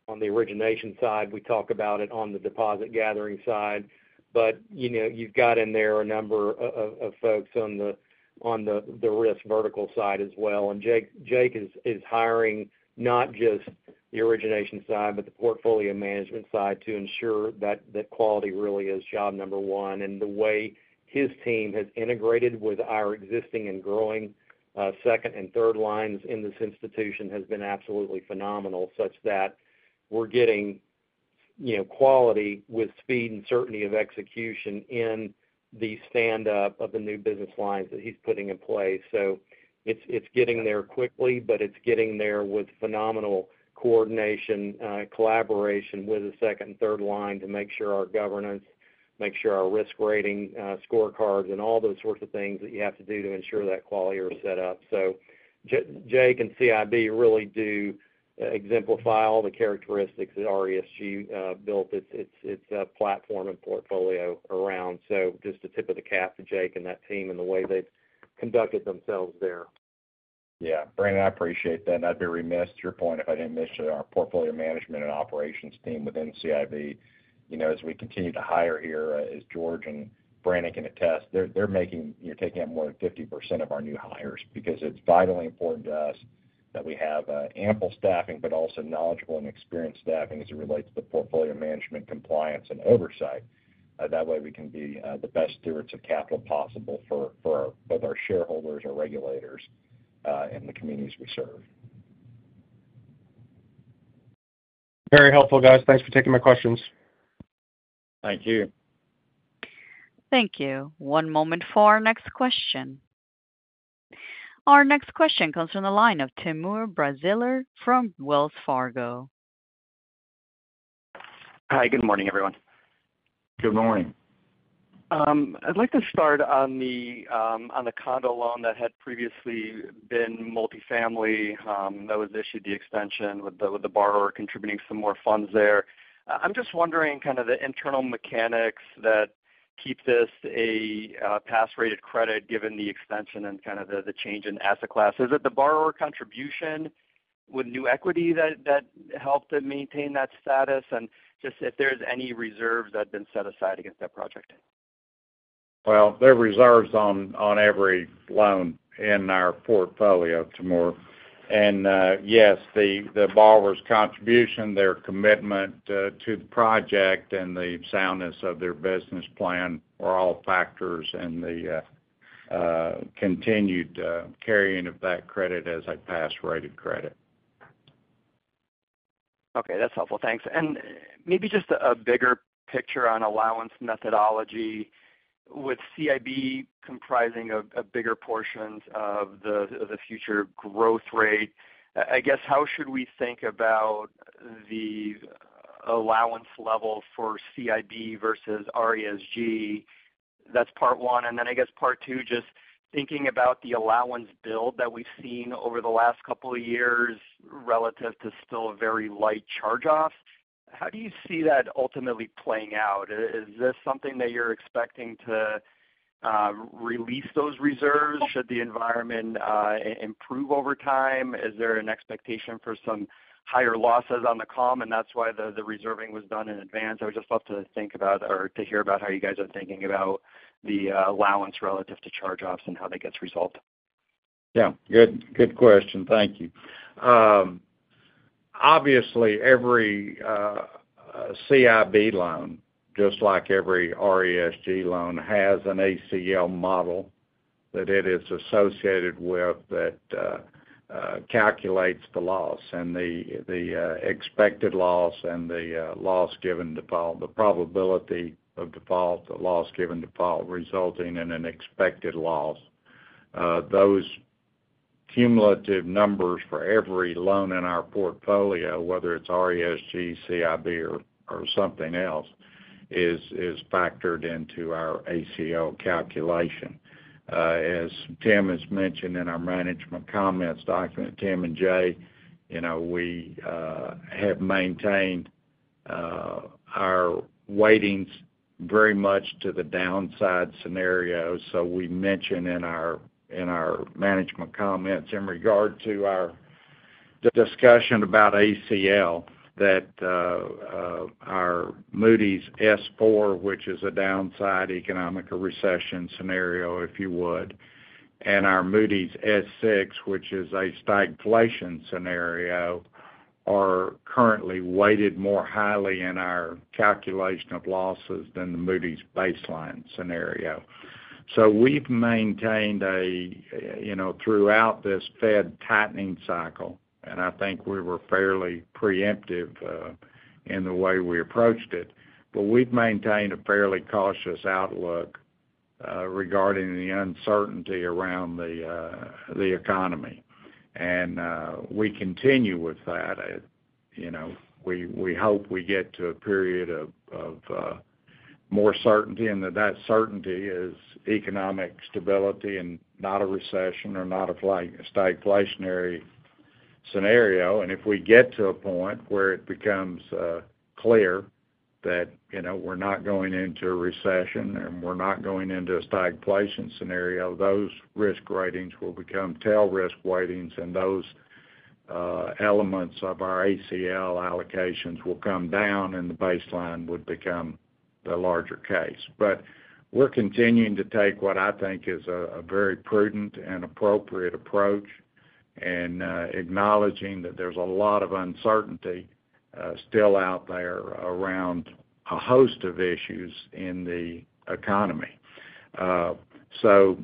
on the origination side. We talk about it on the deposit gathering side. But you've got in there a number of folks on the risk vertical side as well. And Jake is hiring not just the origination side, but the portfolio management side to ensure that the quality really is job number one. And the way his team has integrated with our existing and growing second and third lines in this institution has been absolutely phenomenal, such that we're getting, quality with speed and certainty of execution in the stand up of the new business lines that he's putting in place. So it's getting there quickly, but it's getting there with phenomenal coordination, collaboration with the second and third line to make sure our governance, make sure our risk rating scorecards and all those sorts of things that you have to do to ensure that quali are set up. So Jake and CIB really do exemplify all the characteristics that RESG built its platform and portfolio around. So just the tip of the cap to Jake and that team and the way they've conducted themselves there. Yes, Brandon, I appreciate that. And I'd be remiss to your point if I didn't mention our portfolio management and operations team within CIB. As we continue to hire here as George and Brandon can attest, they're making you're taking up more than 50% of our new hires because it's vitally important to us that we have ample staffing, but also knowledgeable and experienced staffing as it relates to the portfolio management compliance and oversight. That way we can be the best stewards of capital possible for both our shareholders or regulators and the communities we serve. Very helpful, guys. Thanks for taking my questions. Thank you. Thank you. One moment for our next question. Our next question comes from the line of Timur Braziler from Wells Fargo. Hi. Good morning, everyone. Good morning. I'd like to start on the condo loan that had previously been multifamily that was issued the extension with borrower contributing some more funds there. I'm just wondering kind of the internal mechanics that keep this a pass rated credit given the extension and kind of the change in asset classes at the borrower contribution with new equity that helped to maintain that status and just if there's any reserves that have been set aside against that project? Well, there are reserves on every loan in our portfolio, Timur. And yes, the borrower's contribution, their commitment to the project and the soundness of their business plan are all factors in the continued carrying of that credit as a pass rated credit. Okay. That's helpful. Thanks. And maybe just a bigger picture on allowance methodology. With CIB comprising a bigger portion of the future growth rate, I guess, how should we think about the allowance level for CIB versus RESG? That's part one. And then I guess part two, just thinking about the allowance build that we've seen over the last couple of years relative to still very light charge offs, How do you see that ultimately playing out? Is this something that you're expecting to release those reserves? Should the environment improve over time? Is there an expectation for some higher losses on the common that's why the reserving was done in advance? I would just love to think about or to hear about how you guys are thinking about the allowance relative to charge offs and how that gets resolved. Yes. Good question. Thank you. Obviously, every CIB loan, just like every RESG loan, has an ACL model that it is associated with that calculates the expected loss and the loss given default, the probability of default, the loss given default resulting in an expected loss. Those cumulative numbers for every loan in our portfolio, whether it's RESG, CIB, or something else, is factored into our ACO calculation. As Tim has mentioned in our management comments document, Tim and Jay, we have maintained our weightings very much to the downside scenario. So we mentioned in management comments in regard to our discussion about ACL, that our Moody's S4, which is a downside economic recession scenario, if you would, and our Moody's S6, which is a stagflation scenario, are currently weighted more highly in our calculation of losses than the Moody's baseline scenario. So we've maintained throughout this Fed tightening cycle, and I think we were fairly preemptive in the way we approached it, but we've maintained a fairly cautious outlook regarding the uncertainty around the economy. And we continue with that. We hope we get to a period of more certainty and that that certainty is economic stability and not a recession or not a stagflationary scenario. And if we get to a point where it becomes clear that we're not going into a recession and we're not going into a stagflation scenario, those risk ratings will become tail risk ratings. And those elements of our ACL allocations will come down, and the baseline would become the larger case. But we're continuing to take what I think is a very prudent and appropriate approach in acknowledging that there's a lot of uncertainty still out there around a host of issues in the economy. So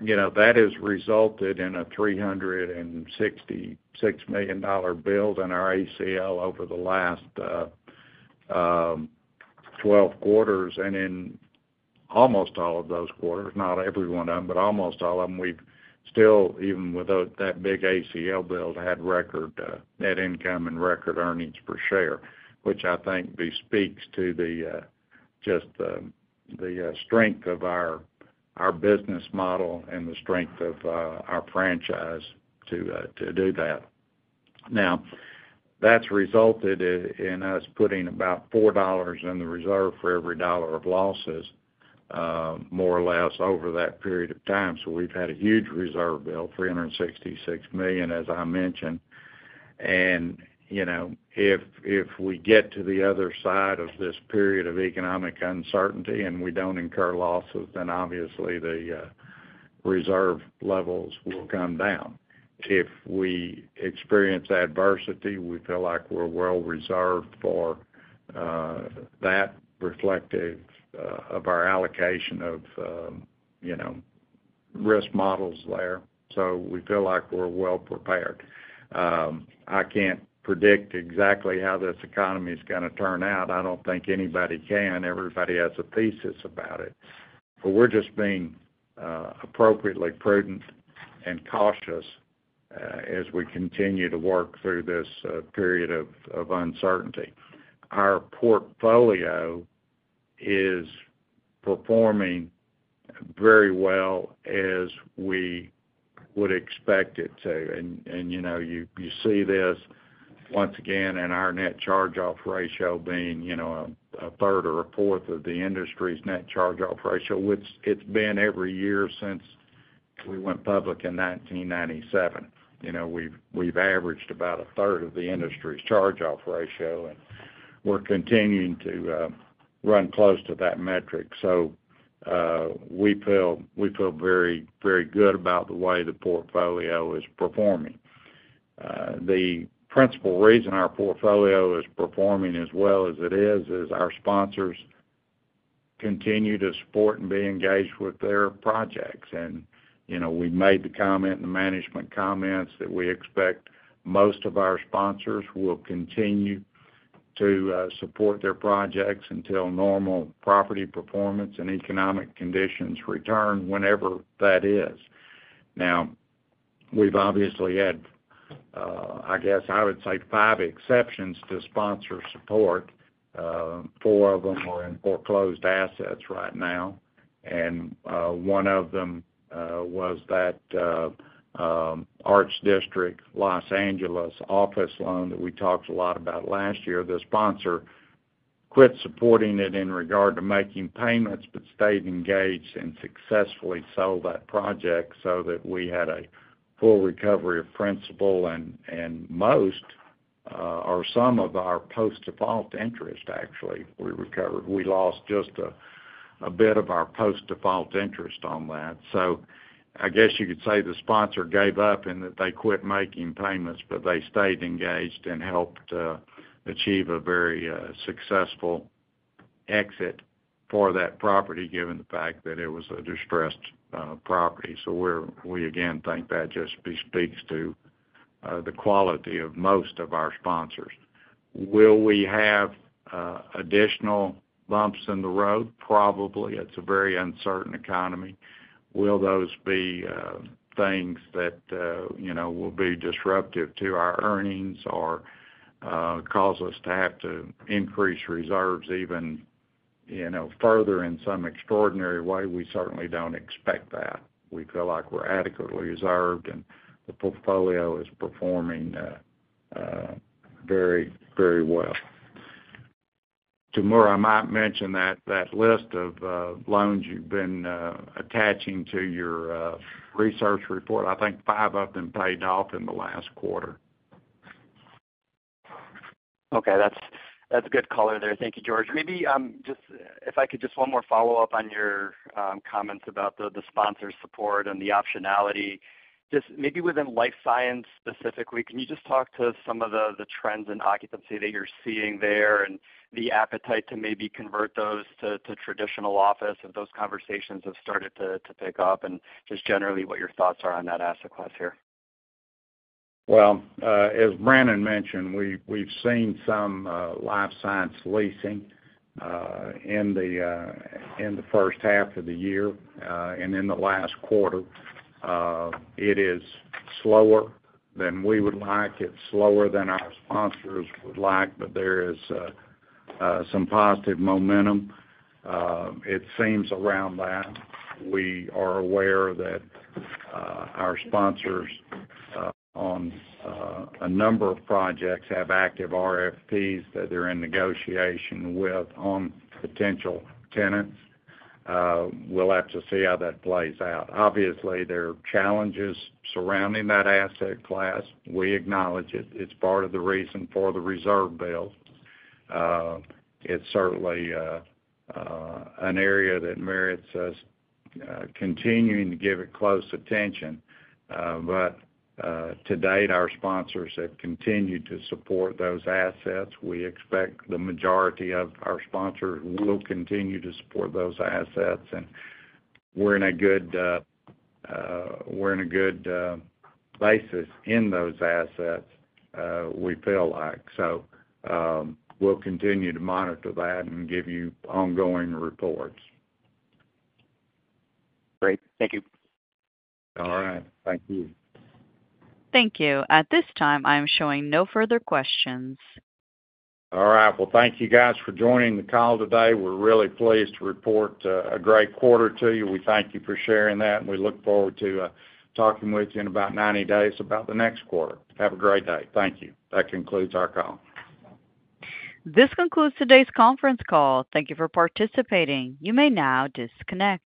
that has resulted in a $366,000,000 build in our ACL over the last twelve quarters. And in almost all of those quarters, not every one of them, but almost all of them, we've still, even without that big ACL build, had record net income and record earnings per share, which I think speaks to just the strength of our business model and the strength of our franchise to do that. Now that's resulted in us putting about $4 in the reserve for every dollar of losses, more or less, over that period of time. So we've had a huge reserve bill, $366,000,000, as I mentioned. And if we get to the other side of this period of economic uncertainty and we don't incur losses, then obviously the reserve levels will come down. If we experience adversity, we feel like we're well reserved for that reflective of our allocation of risk models there. So we feel like we're well prepared. I can't predict exactly how this economy is going to turn out. I don't think anybody can. Everybody has a thesis about it. But we're just being appropriately prudent and cautious as we continue to work through this period of uncertainty. Our portfolio is performing very well as we would expect it to. And you see this, once again, in our net charge off ratio being onethree or onefour of the industry's net charge off ratio, which it's been every year since we went public in 1997. We've averaged about onethree of the industry's charge off ratio, and we're continuing to run close to that metric. So we feel very, very good about the way the portfolio is performing. The principal reason our portfolio is performing as well as it is is our sponsors continue to support and be engaged with their projects. And we made the comment and the management comments that we expect most of our sponsors will continue to support their projects until normal property performance and economic conditions return whenever that is. Now we've obviously had, I guess, I would say, five exceptions to sponsor support. Four of them are in foreclosed assets right now. And one of them was that Arch District Los Angeles office loan that we talked a lot about last year. The sponsor quit supporting it in regard to making payments but stayed engaged and successfully sold that project so that we had a full recovery of principal and most or some of our post default interest actually, we recovered. We lost just a bit of our post default interest on that. So I guess you could say the sponsor gave up and that they quit making payments, but they stayed engaged and helped achieve a very successful exit for that property given the fact that it was a distressed property. So we again think that just speaks to the quality of most of our sponsors. Will we have additional bumps in the road? Probably. It's a very uncertain economy. Will those be things that will be disruptive to our earnings or cause us to have to increase reserves even further in some extraordinary way? We certainly don't expect that. We feel like we're adequately reserved and the portfolio is performing very, very well. Tomorrow, I might mention that list of loans you've been attaching to your research report. I think five of them paid off in the last quarter. Okay. That's good color there. Thank you, George. Maybe just if I could just one more follow-up on your comments about the sponsor support and the optionality. Just maybe within Life Science specifically, can you just talk to some of the trends in occupancy that you're seeing there and the appetite to maybe convert those to traditional office if those conversations have started to pick up? Just generally, what your thoughts are on that asset class here? Well, as Brandon mentioned, we've seen some life science leasing in the first half of the year and in the last quarter. It is slower than we would like. It's slower than our sponsors would like, but there is some positive momentum. It seems around that we are aware that our sponsors on a number of projects have active RFPs that they're in negotiation with on potential tenants. We'll have to see how that plays out. Obviously, are challenges surrounding that asset class. We acknowledge it. It's part of the reason for the reserve build. It's certainly an area that merits us continuing to give it close attention. But to date, our sponsors have continued to support those assets. We expect the majority of our sponsors will continue to support those assets. And we're in a good basis in those assets, we feel like. So we'll continue to monitor that and give you ongoing reports. Great. Thank you. All right. Thank you. Thank you. At this time, I'm showing no further questions. All right. Well, thank you guys for joining the call today. We're really pleased to report a great quarter to you. We thank you for sharing that and we look forward to talking with you in about ninety days about the next quarter. Have a great day. Thank you. That concludes our call. This concludes today's conference call. Thank you for participating. You may now disconnect.